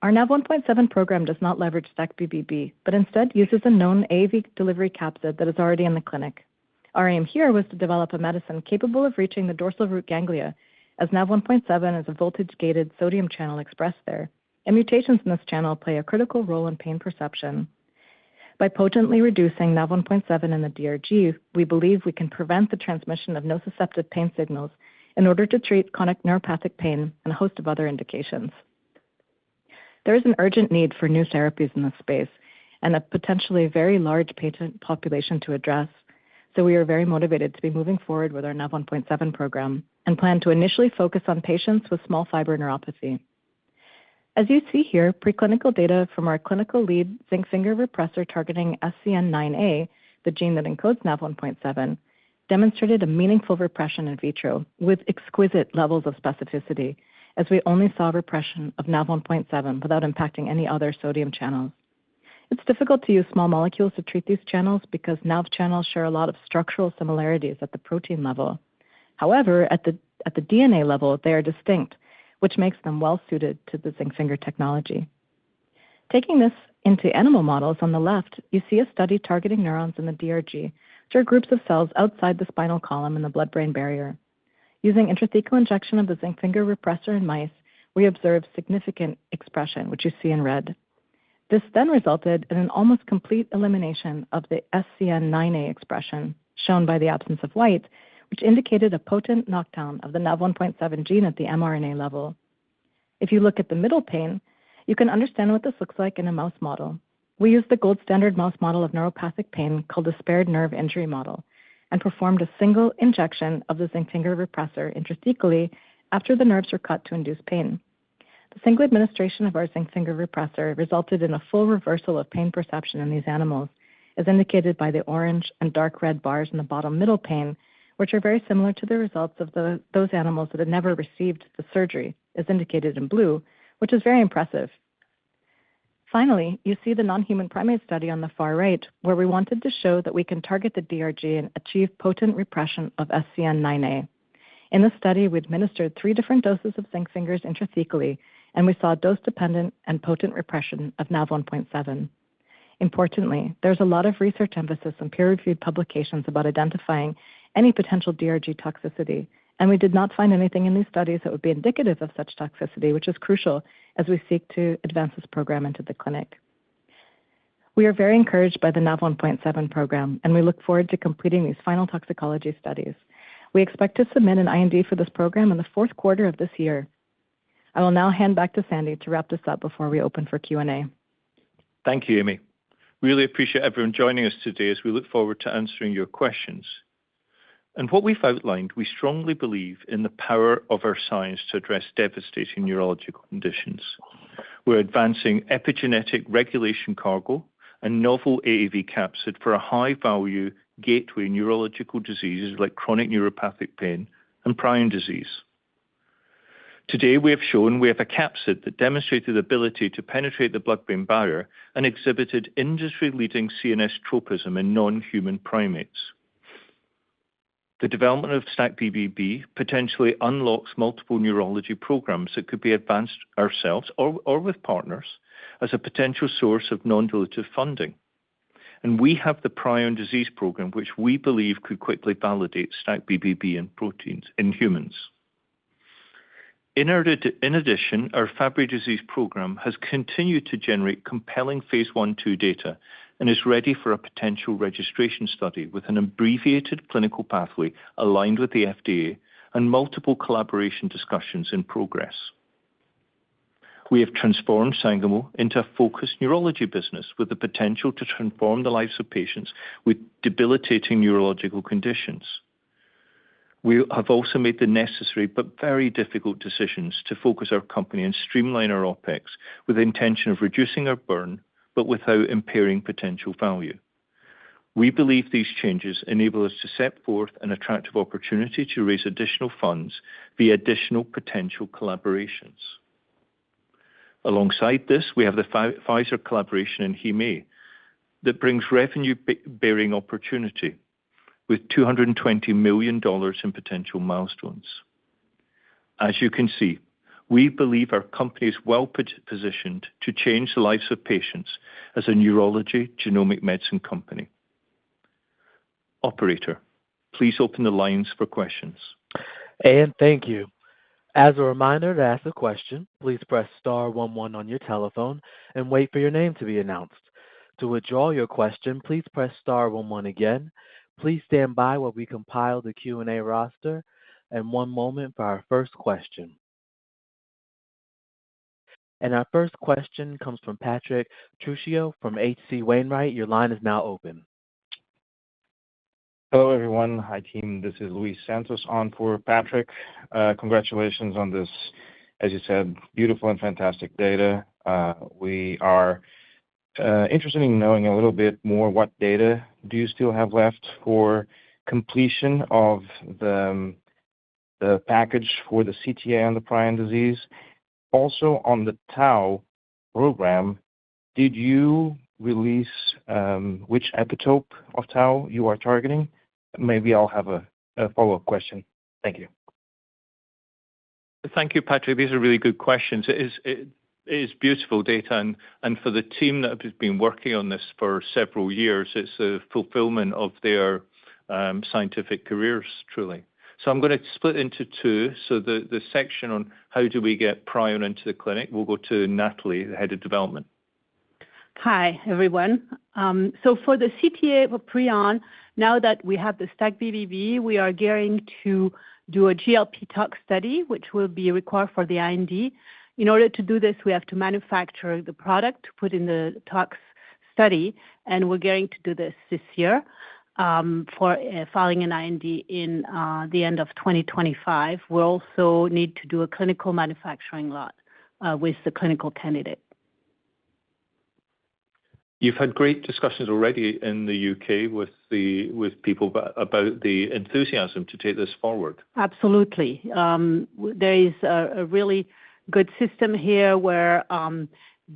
Our Nav1.7 program does not leverage STAC-BBB, but instead uses a known AAV delivery capsid that is already in the clinic. Our aim here was to develop a medicine capable of reaching the dorsal root ganglia, as Nav1.7 is a voltage-gated sodium channel expressed there, and mutations in this channel play a critical role in pain perception. By potently reducing Nav1.7 in the DRG, we believe we can prevent the transmission of nociceptive pain signals in order to treat chronic neuropathic pain and a host of other indications. There is an urgent need for new therapies in this space and a potentially very large patient population to address, so we are very motivated to be moving forward with our Nav1.7 program and plan to initially focus on patients with small fiber neuropathy. As you see here, preclinical data from our clinical lead zinc finger repressor targeting SCN9A, the gene that encodes Nav1.7, demonstrated a meaningful repression in vitro with exquisite levels of specificity, as we only saw repression of Nav1.7 without impacting any other sodium channels. It's difficult to use small molecules to treat these channels because Nav channels share a lot of structural similarities at the protein level. However, at the DNA level, they are distinct, which makes them well suited to the zinc finger technology. Taking this into animal models on the left, you see a study targeting neurons in the DRG, which are groups of cells outside the spinal column in the blood-brain barrier. Using intrathecal injection of the zinc finger repressor in mice, we observed significant expression, which you see in red. This then resulted in an almost complete elimination of the SCN9A expression, shown by the absence of white, which indicated a potent knockdown of the Nav1.7 gene at the mRNA level. If you look at the middle pane, you can understand what this looks like in a mouse model. We used the gold standard mouse model of neuropathic pain called the spared nerve injury model and performed a single injection of the zinc finger repressor intrathecally after the nerves were cut to induce pain. The single administration of our zinc finger repressor resulted in a full reversal of pain perception in these animals, as indicated by the orange and dark red bars in the bottom middle pane, which are very similar to the results of those animals that had never received the surgery, as indicated in blue, which is very impressive. Finally, you see the non-human primate study on the far right, where we wanted to show that we can target the DRG and achieve potent repression of SCN9A. In this study, we administered three different doses of zinc fingers intrathecally, and we saw dose-dependent and potent repression of Nav1.7. Importantly, there's a lot of research emphasis and peer-reviewed publications about identifying any potential DRG toxicity, and we did not find anything in these studies that would be indicative of such toxicity, which is crucial as we seek to advance this program into the clinic. We are very encouraged by the Nav1.7 program, and we look forward to completing these final toxicology studies. We expect to submit an IND for this program in the fourth quarter of this year. I will now hand back to Sandy to wrap this up before we open for Q&A. Thank you, Amy. Really appreciate everyone joining us today, as we look forward to answering your questions. In what we've outlined, we strongly believe in the power of our science to address devastating neurological conditions. We're advancing epigenetic regulation cargo and novel AAV capsid for a high-value gateway neurological diseases like chronic neuropathic pain and prion disease. Today, we have shown we have a capsid that demonstrated the ability to penetrate the blood-brain barrier and exhibited industry-leading CNS tropism in non-human primates. The development of STAC-BBB potentially unlocks multiple neurology programs that could be advanced ourselves or with partners as a potential source of non-dilutive funding. We have the prion disease program, which we believe could quickly validate STAC-BBB in humans. In addition, our Fabry Disease Program has continued to generate compelling phase I/II data and is ready for a potential registration study with an abbreviated clinical pathway aligned with the FDA and multiple collaboration discussions in progress. We have transformed Sangamo into a focused neurology business with the potential to transform the lives of patients with debilitating neurological conditions. We have also made the necessary but very difficult decisions to focus our company and streamline our OpEx with the intention of reducing our burn, but without impairing potential value. We believe these changes enable us to set forth an attractive opportunity to raise additional funds via additional potential collaborations. Alongside this, we have the Pfizer collaboration in Hemophilia A that brings revenue-bearing opportunity with $220 million in potential milestones. As you can see, we believe our company is well positioned to change the lives of patients as a neurology genomic medicine company. Operator, please open the lines for questions. And, thank you. As a reminder to ask a question, please press star 11 on your telephone and wait for your name to be announced. To withdraw your question, please press star 11 again. Please stand by while we compile the Q&A roster. And one moment for our first question. And our first question comes from Patrick Trucchio from H.C. Wainwright. Your line is now open. Hello, everyone. Hi, team. This is Luis Santos on for Patrick. Congratulations on this, as you said, beautiful and fantastic data. We are interested in knowing a little bit more what data do you still have left for completion of the package for the CTA on the prion disease? Also, on the tau program, did you release which epitope of tau you are targeting? Maybe I'll have a follow-up question. Thank you. Thank you, Patrick. These are really good questions. It is beautiful data. And for the team that has been working on this for several years, it's a fulfillment of their scientific careers, truly. So I'm going to split it into two. So the section on how do we get prion into the clinic, we'll go to Nathalie, the head of development. Hi, everyone. For the CTA of prion, now that we have the STAC-BBB, we are gearing to do a GLP tox study, which will be required for the IND. In order to do this, we have to manufacture the product to put in the tox study, and we're gearing to do this this year. For filing an IND in the end of 2025, we also need to do a clinical manufacturing lot with the clinical candidate. You've had great discussions already in the UK with people about the enthusiasm to take this forward. Absolutely. There is a really good system here where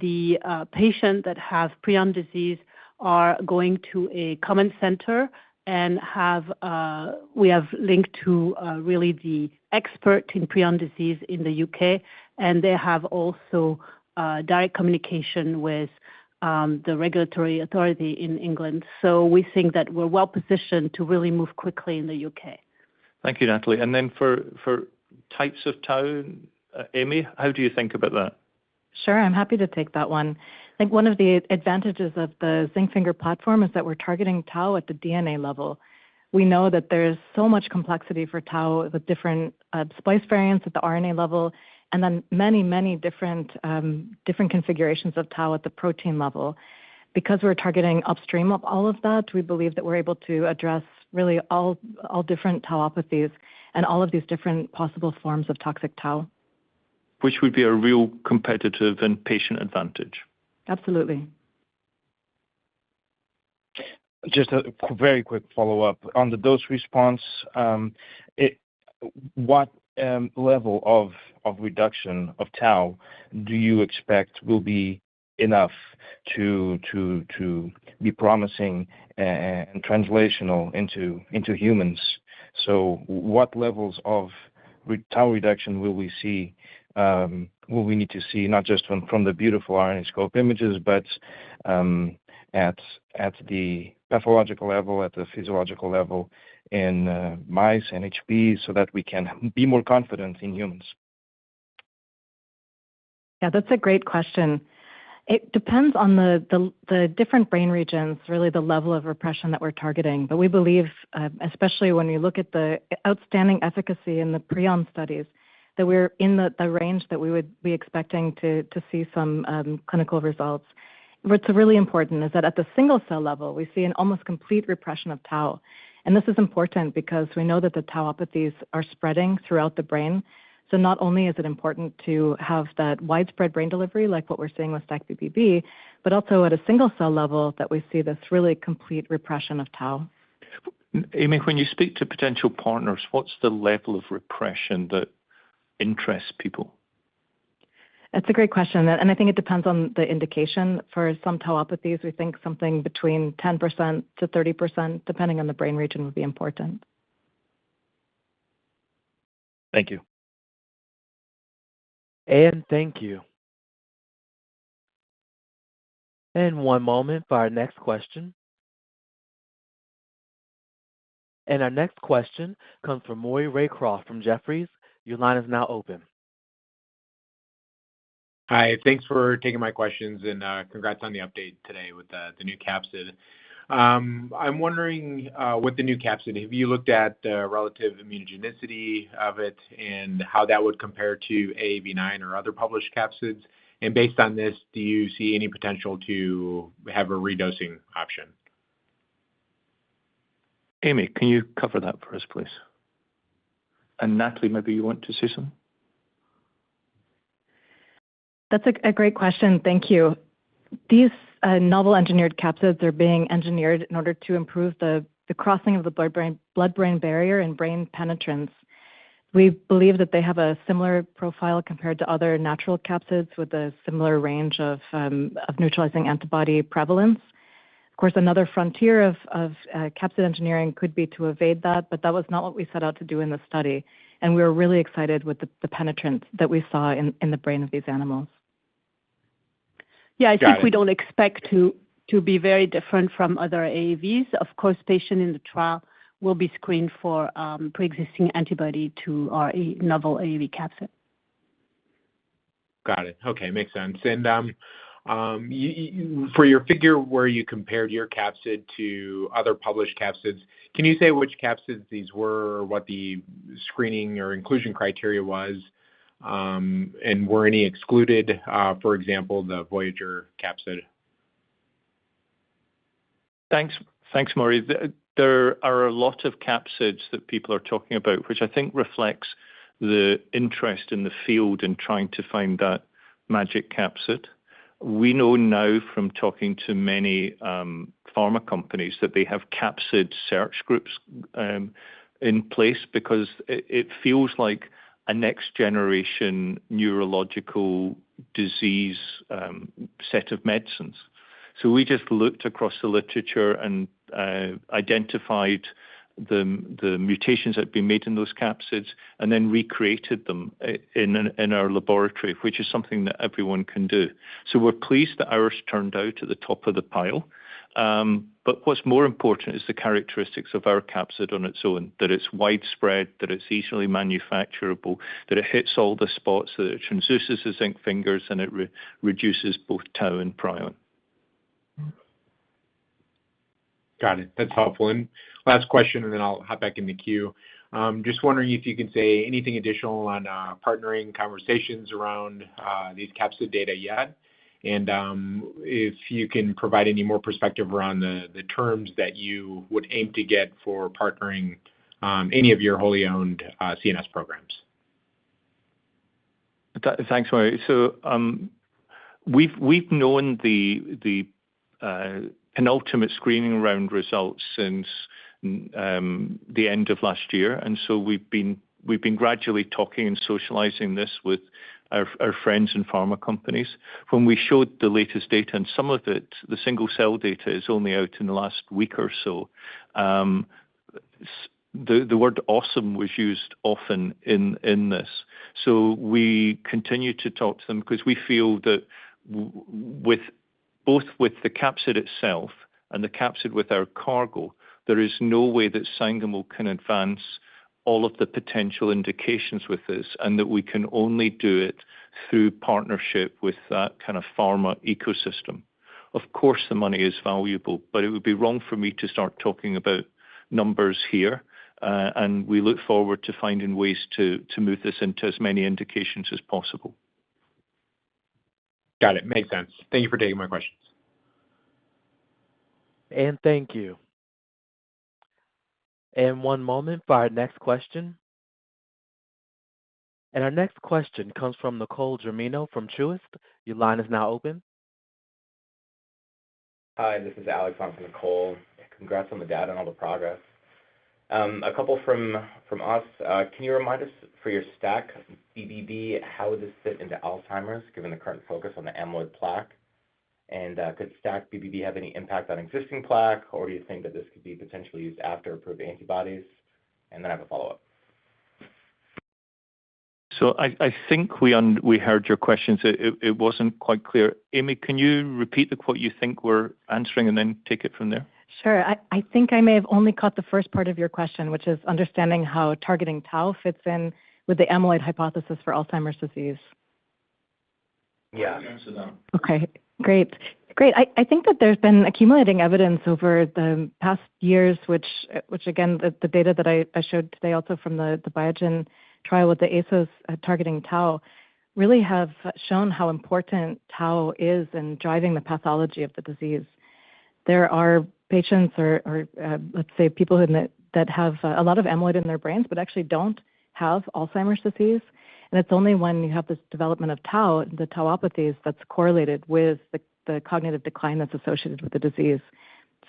the patients that have prion disease are going to a common center and we have linked to really the expert in prion disease in the UK, and they have also direct communication with the regulatory authority in England. So we think that we're well positioned to really move quickly in the UK. Thank you, Nathalie. And then for types of tau, Amy, how do you think about that? Sure, I'm happy to take that one. I think one of the advantages of the zinc finger platform is that we're targeting tau at the DNA level. We know that there's so much complexity for tau with different splice variants at the RNA level, and then many, many different configurations of tau at the protein level. Because we're targeting upstream of all of that, we believe that we're able to address really all different tauopathies and all of these different possible forms of toxic tau. Which would be a real competitive and patient advantage. Absolutely. Just a very quick follow-up on the dose response. What level of reduction of tau do you expect will be enough to be promising and translational into humans? So what levels of tau reduction will we see? Will we need to see not just from the beautiful RNA scope images, but at the pathological level, at the physiological level in mice and HP so that we can be more confident in humans? Yeah, that's a great question. It depends on the different brain regions, really the level of repression that we're targeting. But we believe, especially when we look at the outstanding efficacy in the prion studies, that we're in the range that we would be expecting to see some clinical results. What's really important is that at the single-cell level, we see an almost complete repression of tau. And this is important because we know that the tauopathies are spreading throughout the brain. So not only is it important to have that widespread brain delivery like what we're seeing with STAC-BBB, but also at a single-cell level that we see this really complete repression of tau. Amy, when you speak to potential partners, what's the level of repression that interests people? It's a great question. I think it depends on the indication. For some tauopathies, we think something between 10%-30%, depending on the brain region, would be important. Thank you. And, thank you. One moment for our next question. Our next question comes from Maury Raycroft from Jefferies. Your line is now open. Hi. Thanks for taking my questions and congrats on the update today with the new capsid. I'm wondering with the new capsid, have you looked at the relative immunogenicity of it and how that would compare to AAV9 or other published capsids? Based on this, do you see any potential to have a redosing option? Amy, can you cover that for us, please? And Nathalie, maybe you want to say something. That's a great question. Thank you. These novel-engineered capsids are being engineered in order to improve the crossing of the blood-brain barrier and brain penetrance. We believe that they have a similar profile compared to other natural capsids with a similar range of neutralizing antibody prevalence. Of course, another frontier of capsid engineering could be to evade that, but that was not what we set out to do in the study. We were really excited with the penetrance that we saw in the brain of these animals. Yeah, I think we don't expect to be very different from other AAVs. Of course, patients in the trial will be screened for pre-existing antibody to our novel AAV capsid. Got it. Okay, makes sense. And for your figure where you compared your capsid to other published capsids, can you say which capsids these were or what the screening or inclusion criteria was? And were any excluded, for example, the Voyager capsid? Thanks, Moi. There are a lot of capsids that people are talking about, which I think reflects the interest in the field in trying to find that magic capsid. We know now from talking to many pharma companies that they have capsid search groups in place because it feels like a next-generation neurological disease set of medicines. So we just looked across the literature and identified the mutations that had been made in those capsids and then recreated them in our laboratory, which is something that everyone can do. So we're pleased that ours turned out at the top of the pile. But what's more important is the characteristics of our capsid on its own, that it's widespread, that it's easily manufacturable, that it hits all the spots, that it transduces the zinc fingers, and it reduces both tau and prion. Got it. That's helpful. Last question, and then I'll hop back in the queue. Just wondering if you can say anything additional on partnering conversations around these capsid data yet. And if you can provide any more perspective around the terms that you would aim to get for partnering any of your wholly owned CNS programs. Thanks, Moi. So we've known the penultimate screening round results since the end of last year. And so we've been gradually talking and socializing this with our friends in pharma companies. When we showed the latest data, and some of it, the single-cell data is only out in the last week or so. The word awesome was used often in this. So we continue to talk to them because we feel that both with the capsid itself and the capsid with our cargo, there is no way that Sangamo can advance all of the potential indications with this and that we can only do it through partnership with that kind of pharma ecosystem. Of course, the money is valuable, but it would be wrong for me to start talking about numbers here. And we look forward to finding ways to move this into as many indications as possible. Got it. Makes sense. Thank you for taking my questions. And, thank you. One moment for our next question. Our next question comes from Nicole Germino from Truist. Your line is now open. Hi, this is Alexander Macrae from Jefferies. Congrats on the data and all the progress. A couple from us. Can you remind us for your STAC-BBB, how would this fit into Alzheimer's given the current focus on the amyloid plaque? And could STAC-BBB have any impact on existing plaque, or do you think that this could be potentially used after approved antibodies? And then I have a follow-up. So I think we heard your questions. It wasn't quite clear. Amy, can you repeat the quote you think we're answering and then take it from there? Sure. I think I may have only caught the first part of your question, which is understanding how targeting tau fits in with the amyloid hypothesis for Alzheimer's disease. Yeah. Okay. Great. Great. I think that there's been accumulating evidence over the past years, which, again, the data that I showed today also from the Biogen trial with the ASOs targeting tau really have shown how important tau is in driving the pathology of the disease. There are patients or, let's say, people that have a lot of amyloid in their brains but actually don't have Alzheimer's disease. And it's only when you have this development of tau and the tauopathies that's correlated with the cognitive decline that's associated with the disease.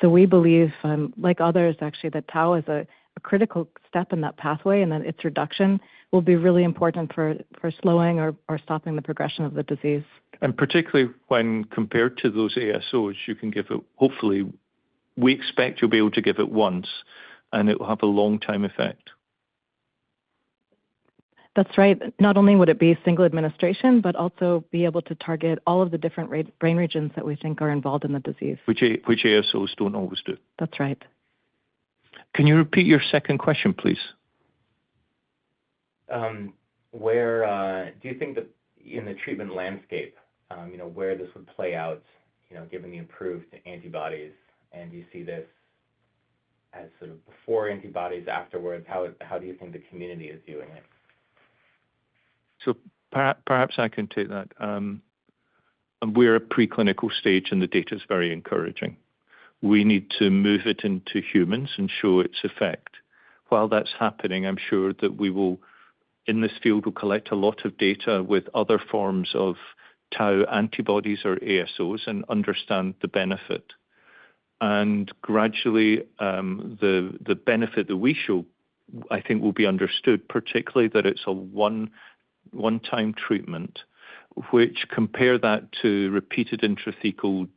So we believe, like others, actually, that tau is a critical step in that pathway and that its reduction will be really important for slowing or stopping the progression of the disease. Particularly when compared to those ASOs, you can give it, hopefully. We expect you'll be able to give it once, and it will have a long-term effect. That's right. Not only would it be single administration, but also be able to target all of the different brain regions that we think are involved in the disease. Which ASOs don't always do. That's right. Can you repeat your second question, please? Do you think that in the treatment landscape, where this would play out given the approved antibodies, and do you see this as sort of before antibodies, afterwards? How do you think the community is doing it? So perhaps I can take that. We're at a preclinical stage, and the data is very encouraging. We need to move it into humans and show its effect. While that's happening, I'm sure that we will, in this field, collect a lot of data with other forms of tau antibodies or ASOs and understand the benefit. And gradually, the benefit that we show, I think, will be understood, particularly that it's a one-time treatment, which compared that to repeated intrathecal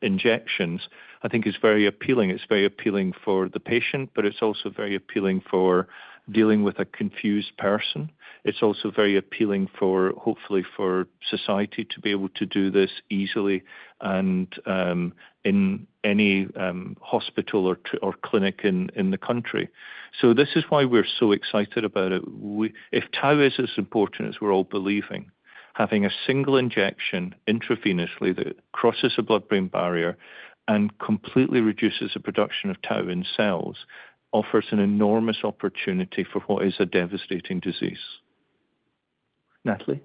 injections, I think is very appealing. It's very appealing for the patient, but it's also very appealing for dealing with a confused person. It's also very appealing, hopefully, for society to be able to do this easily and in any hospital or clinic in the country. So this is why we're so excited about it. If tau is as important as we're all believing, having a single injection intravenously that crosses a blood-brain barrier and completely reduces the production of tau in cells offers an enormous opportunity for what is a devastating disease. Nathalie?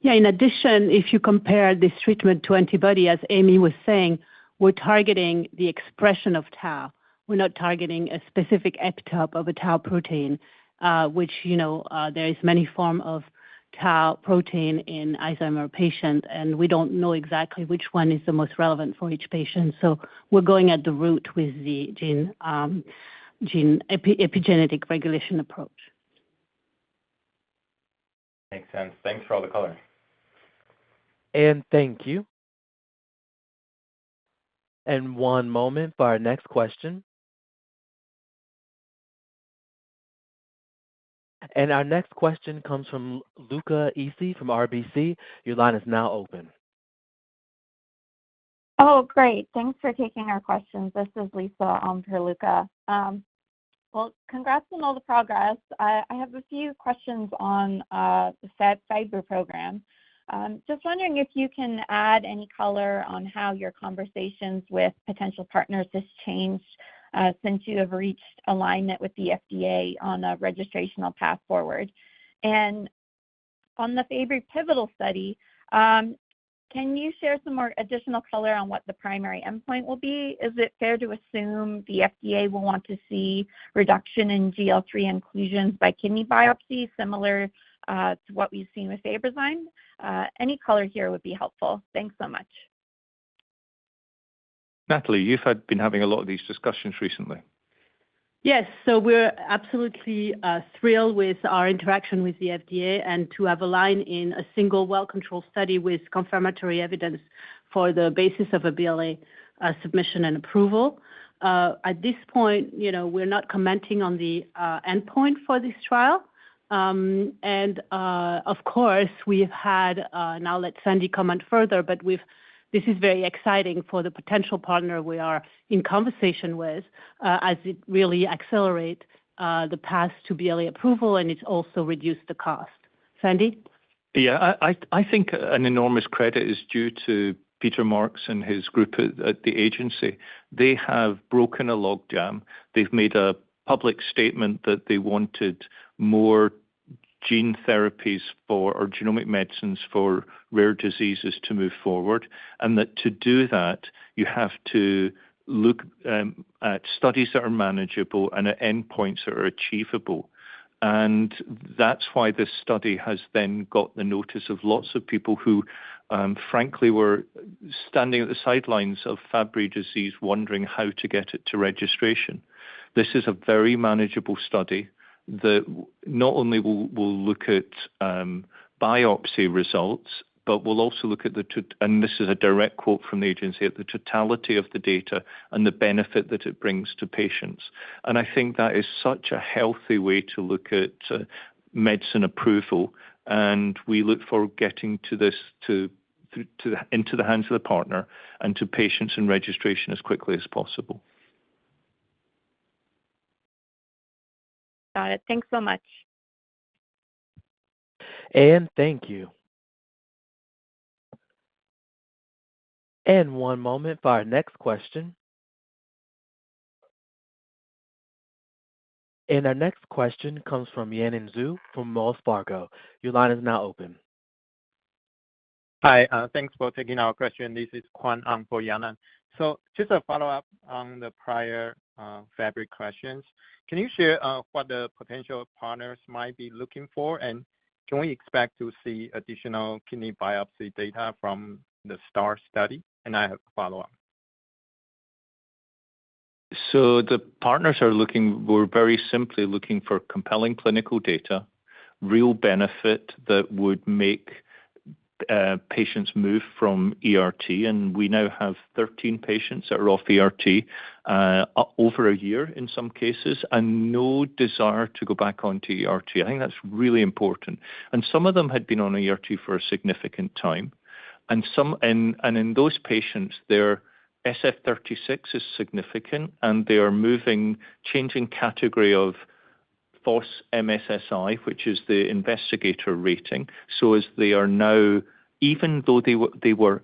Yeah. In addition, if you compare this treatment to antibody, as Amy was saying, we're targeting the expression of tau. We're not targeting a specific epitope of a tau protein, which there are many forms of tau protein in Alzheimer's patients, and we don't know exactly which one is the most relevant for each patient. So we're going at the root with the gene epigenetic regulation approach. Makes sense. Thanks for all the color. And, thank you. One moment for our next question. Our next question comes from Luca Issi from RBC. Your line is now open. Oh, great. Thanks for taking our questions. This is Lisa for Luca. Well, congrats on all the progress. I have a few questions on the Fabry program. Just wondering if you can add any color on how your conversations with potential partners have changed since you have reached alignment with the FDA on a registrational path forward. And on the Fabry pivotal study, can you share some additional color on what the primary endpoint will be? Is it fair to assume the FDA will want to see reduction in GL-3 inclusions by kidney biopsy similar to what we've seen with Fabrazyme? Any color here would be helpful. Thanks so much. Nathalie, you've been having a lot of these discussions recently. Yes. So we're absolutely thrilled with our interaction with the FDA and to have alignment on a single well-controlled study with confirmatory evidence for the basis of a BLA submission and approval. At this point, we're not commenting on the endpoint for this trial. Of course, now let Sandy comment further, but this is very exciting for the potential partner we are in conversation with as it really accelerates the path to BLA approval, and it's also reduced the cost. Sandy? Yeah. I think an enormous credit is due to Peter Marks and his group at the agency. They have broken a log jam. They've made a public statement that they wanted more gene therapies or genomic medicines for rare diseases to move forward, and that to do that, you have to look at studies that are manageable and at endpoints that are achievable. And that's why this study has then got the notice of lots of people who, frankly, were standing at the sidelines of Fabry disease, wondering how to get it to registration. This is a very manageable study that not only will look at biopsy results, but will also look at the and this is a direct quote from the agency: "the totality of the data and the benefit that it brings to patients." And I think that is such a healthy way to look at medicine approval. We look for getting this into the hands of the partner and to patients and registration as quickly as possible. Got it. Thanks so much. And, thank you. One moment for our next question. Our next question comes from Yanan Zhu from Wells Fargo. Your line is now open. Hi. Thanks for taking our question. This is Kwan Ang for Yannon. So just a follow-up on the prior Fabry questions. Can you share what the potential partners might be looking for, and can we expect to see additional kidney biopsy data from the STAR study? And I have a follow-up. So the partners are looking, we're very simply looking for compelling clinical data, real benefit that would make patients move from ERT. And we now have 13 patients that are off ERT over a year in some cases and no desire to go back onto ERT. I think that's really important. And some of them had been on ERT for a significant time. And in those patients, their SF-36 is significant, and they are moving, changing category of FOSS-MSSI, which is the investigator rating. So as they are now, even though they were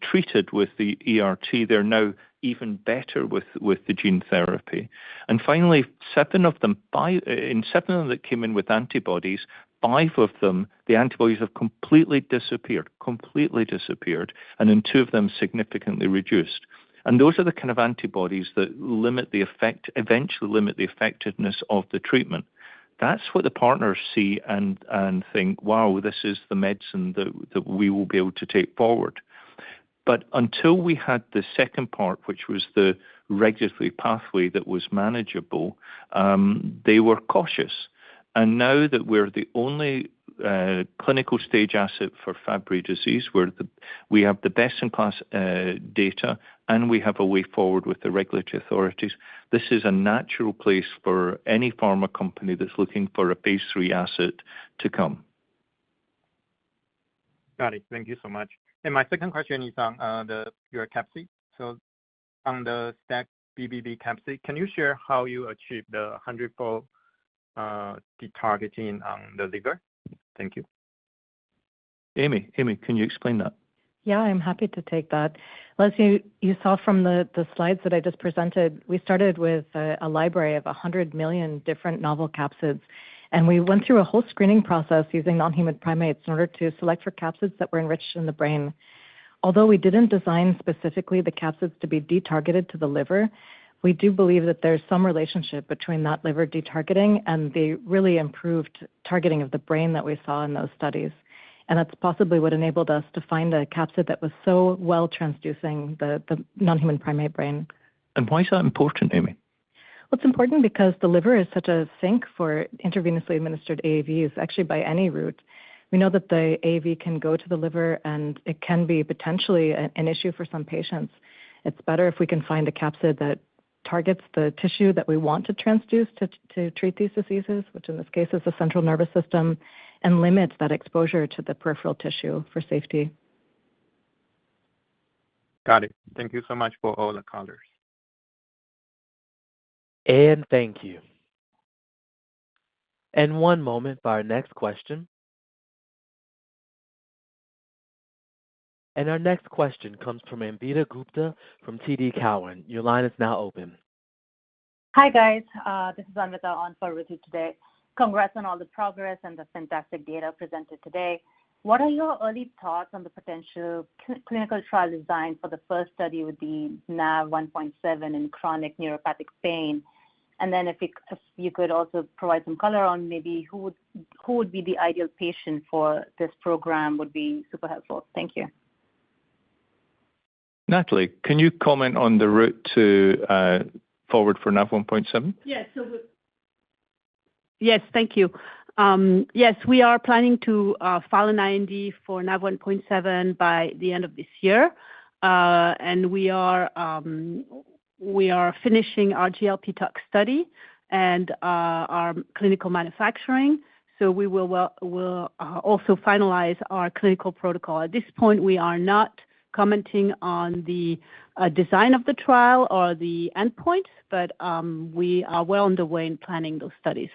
treated with the ERT, they're now even better with the gene therapy. And finally, in 7 of them that came in with antibodies, 5 of them, the antibodies have completely disappeared, completely disappeared, and in 2 of them, significantly reduced. And those are the kind of antibodies that eventually limit the effectiveness of the treatment. That's what the partners see and think, "Wow, this is the medicine that we will be able to take forward." But until we had the second part, which was the regulatory pathway that was manageable, they were cautious. Now that we're the only clinical-stage asset for Fabry disease, we have the best-in-class data, and we have a way forward with the regulatory authorities, this is a natural place for any pharma company that's looking for a phase III asset to come. Got it. Thank you so much. My second question is on your capsid. So on the STAC-BBB capsid, can you share how you achieved the 100-fold targeting on the liver? Thank you. Amy, Amy, can you explain that? Yeah, I'm happy to take that. Leslie, you saw from the slides that I just presented, we started with a library of 100 million different novel capsids. And we went through a whole screening process using non-human primates in order to select for capsids that were enriched in the brain. Although we didn't design specifically the capsids to be detargeted from the liver, we do believe that there's some relationship between that liver detargeting and the really improved targeting of the brain that we saw in those studies. And that's possibly what enabled us to find a capsid that was so well-transducing the non-human primate brain. Why is that important, Amy? Well, it's important because the liver is such a sink for intravenously administered AAVs, actually by any route. We know that the AAV can go to the liver, and it can be potentially an issue for some patients. It's better if we can find a capsid that targets the tissue that we want to transduce to treat these diseases, which in this case is the central nervous system, and limits that exposure to the peripheral tissue for safety. Got it. Thank you so much for all the colors. And, thank you. One moment for our next question. Our next question comes from Anvita Gupta from TD Cowen. Your line is now open. Hi, guys. This is Anvita on for Ruthie today. Congrats on all the progress and the fantastic data presented today. What are your early thoughts on the potential clinical trial design for the first study with the Nav1.7 in chronic neuropathic pain? And then if you could also provide some color on maybe who would be the ideal patient for this program would be super helpful. Thank you. Nathalie, can you comment on the road forward for Nav1.7? Yes. Yes, thank you. Yes, we are planning to file an IND for Nav1.7 by the end of this year. We are finishing our GLP tox study and our clinical manufacturing. We will also finalize our clinical protocol. At this point, we are not commenting on the design of the trial or the endpoints, but we are well on the way in planning those studies.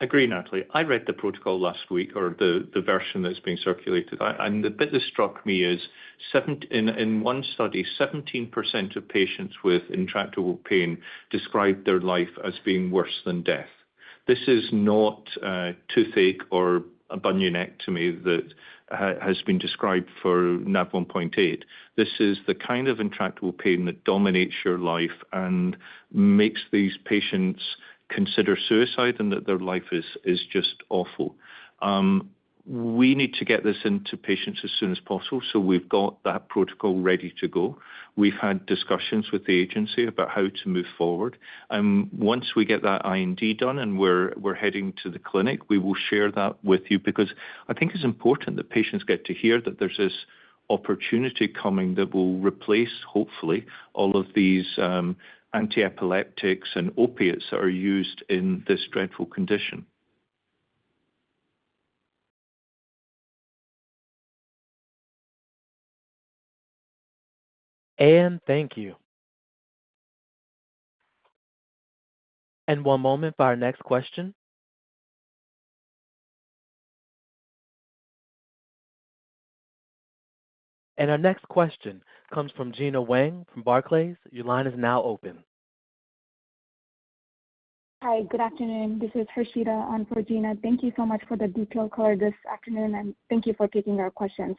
Agree, Nathalie. I read the protocol last week or the version that's been circulated. The bit that struck me is in one study, 17% of patients with intractable pain described their life as being worse than death. This is not toothache or a bunionectomy that has been described for Nav1.8. This is the kind of intractable pain that dominates your life and makes these patients consider suicide and that their life is just awful. We need to get this into patients as soon as possible. We've got that protocol ready to go. We've had discussions with the agency about how to move forward. Once we get that IND done and we're heading to the clinic, we will share that with you because I think it's important that patients get to hear that there's this opportunity coming that will replace, hopefully, all of these antiepileptics and opiates that are used in this dreadful condition. And, thank you. One moment for our next question. Our next question comes from Gena Wang from Barclays. Your line is now open. Hi. Good afternoon. This is Harshita on for Gena. Thank you so much for the detailed color this afternoon, and thank you for taking our questions.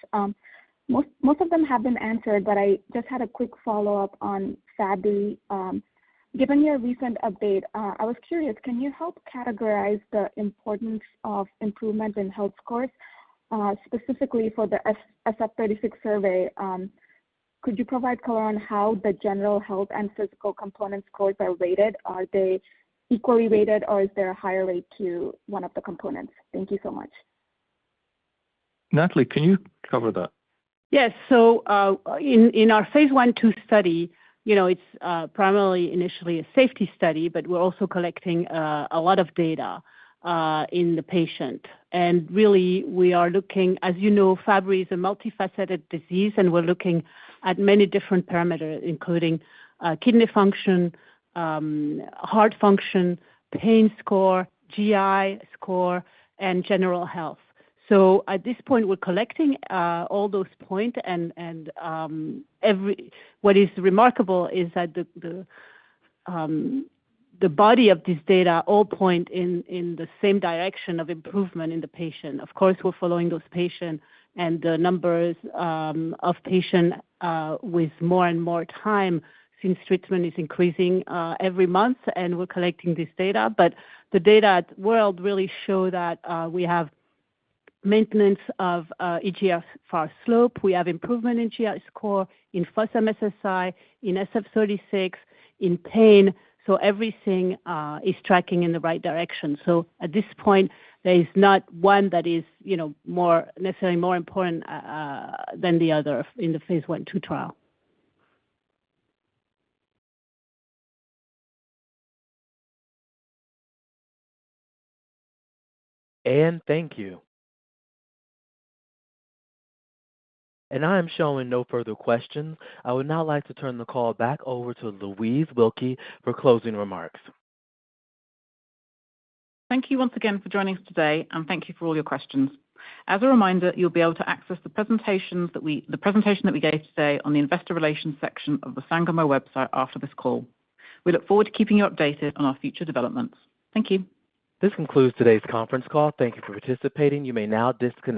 Most of them have been answered, but I just had a quick follow-up on Fabry. Given your recent update, I was curious, can you help categorize the importance of improvement in health scores, specifically for the SF-36 survey? Could you provide color on how the general health and physical component scores are rated? Are they equally rated, or is there a higher rate to one of the components? Thank you so much. Nathalie, can you cover that? Yes. So in our phase I/II study, it's primarily initially a safety study, but we're also collecting a lot of data in the patient. And really, we are looking as you know, Fabry is a multifaceted disease, and we're looking at many different parameters, including kidney function, heart function, pain score, GI score, and general health. So at this point, we're collecting all those points. And what is remarkable is that the body of this data all point in the same direction of improvement in the patient. Of course, we're following those patients and the numbers of patients with more and more time since treatment is increasing every month, and we're collecting this data. But the data at WORLD really show that we have maintenance of eGFR slope. We have improvement in GI score, in FOSS-MSSI, in SF-36, in pain. So everything is tracking in the right direction. At this point, there is not one that is necessarily more important than the other in the phase I/II trial. And, thank you. I am showing no further questions. I would now like to turn the call back over to Louise Wilkie for closing remarks. Thank you once again for joining us today, and thank you for all your questions. As a reminder, you'll be able to access the presentation that we gave today on the investor relations section of the Sangamo website after this call. We look forward to keeping you updated on our future developments. Thank you. This concludes today's conference call. Thank you for participating. You may now disconnect.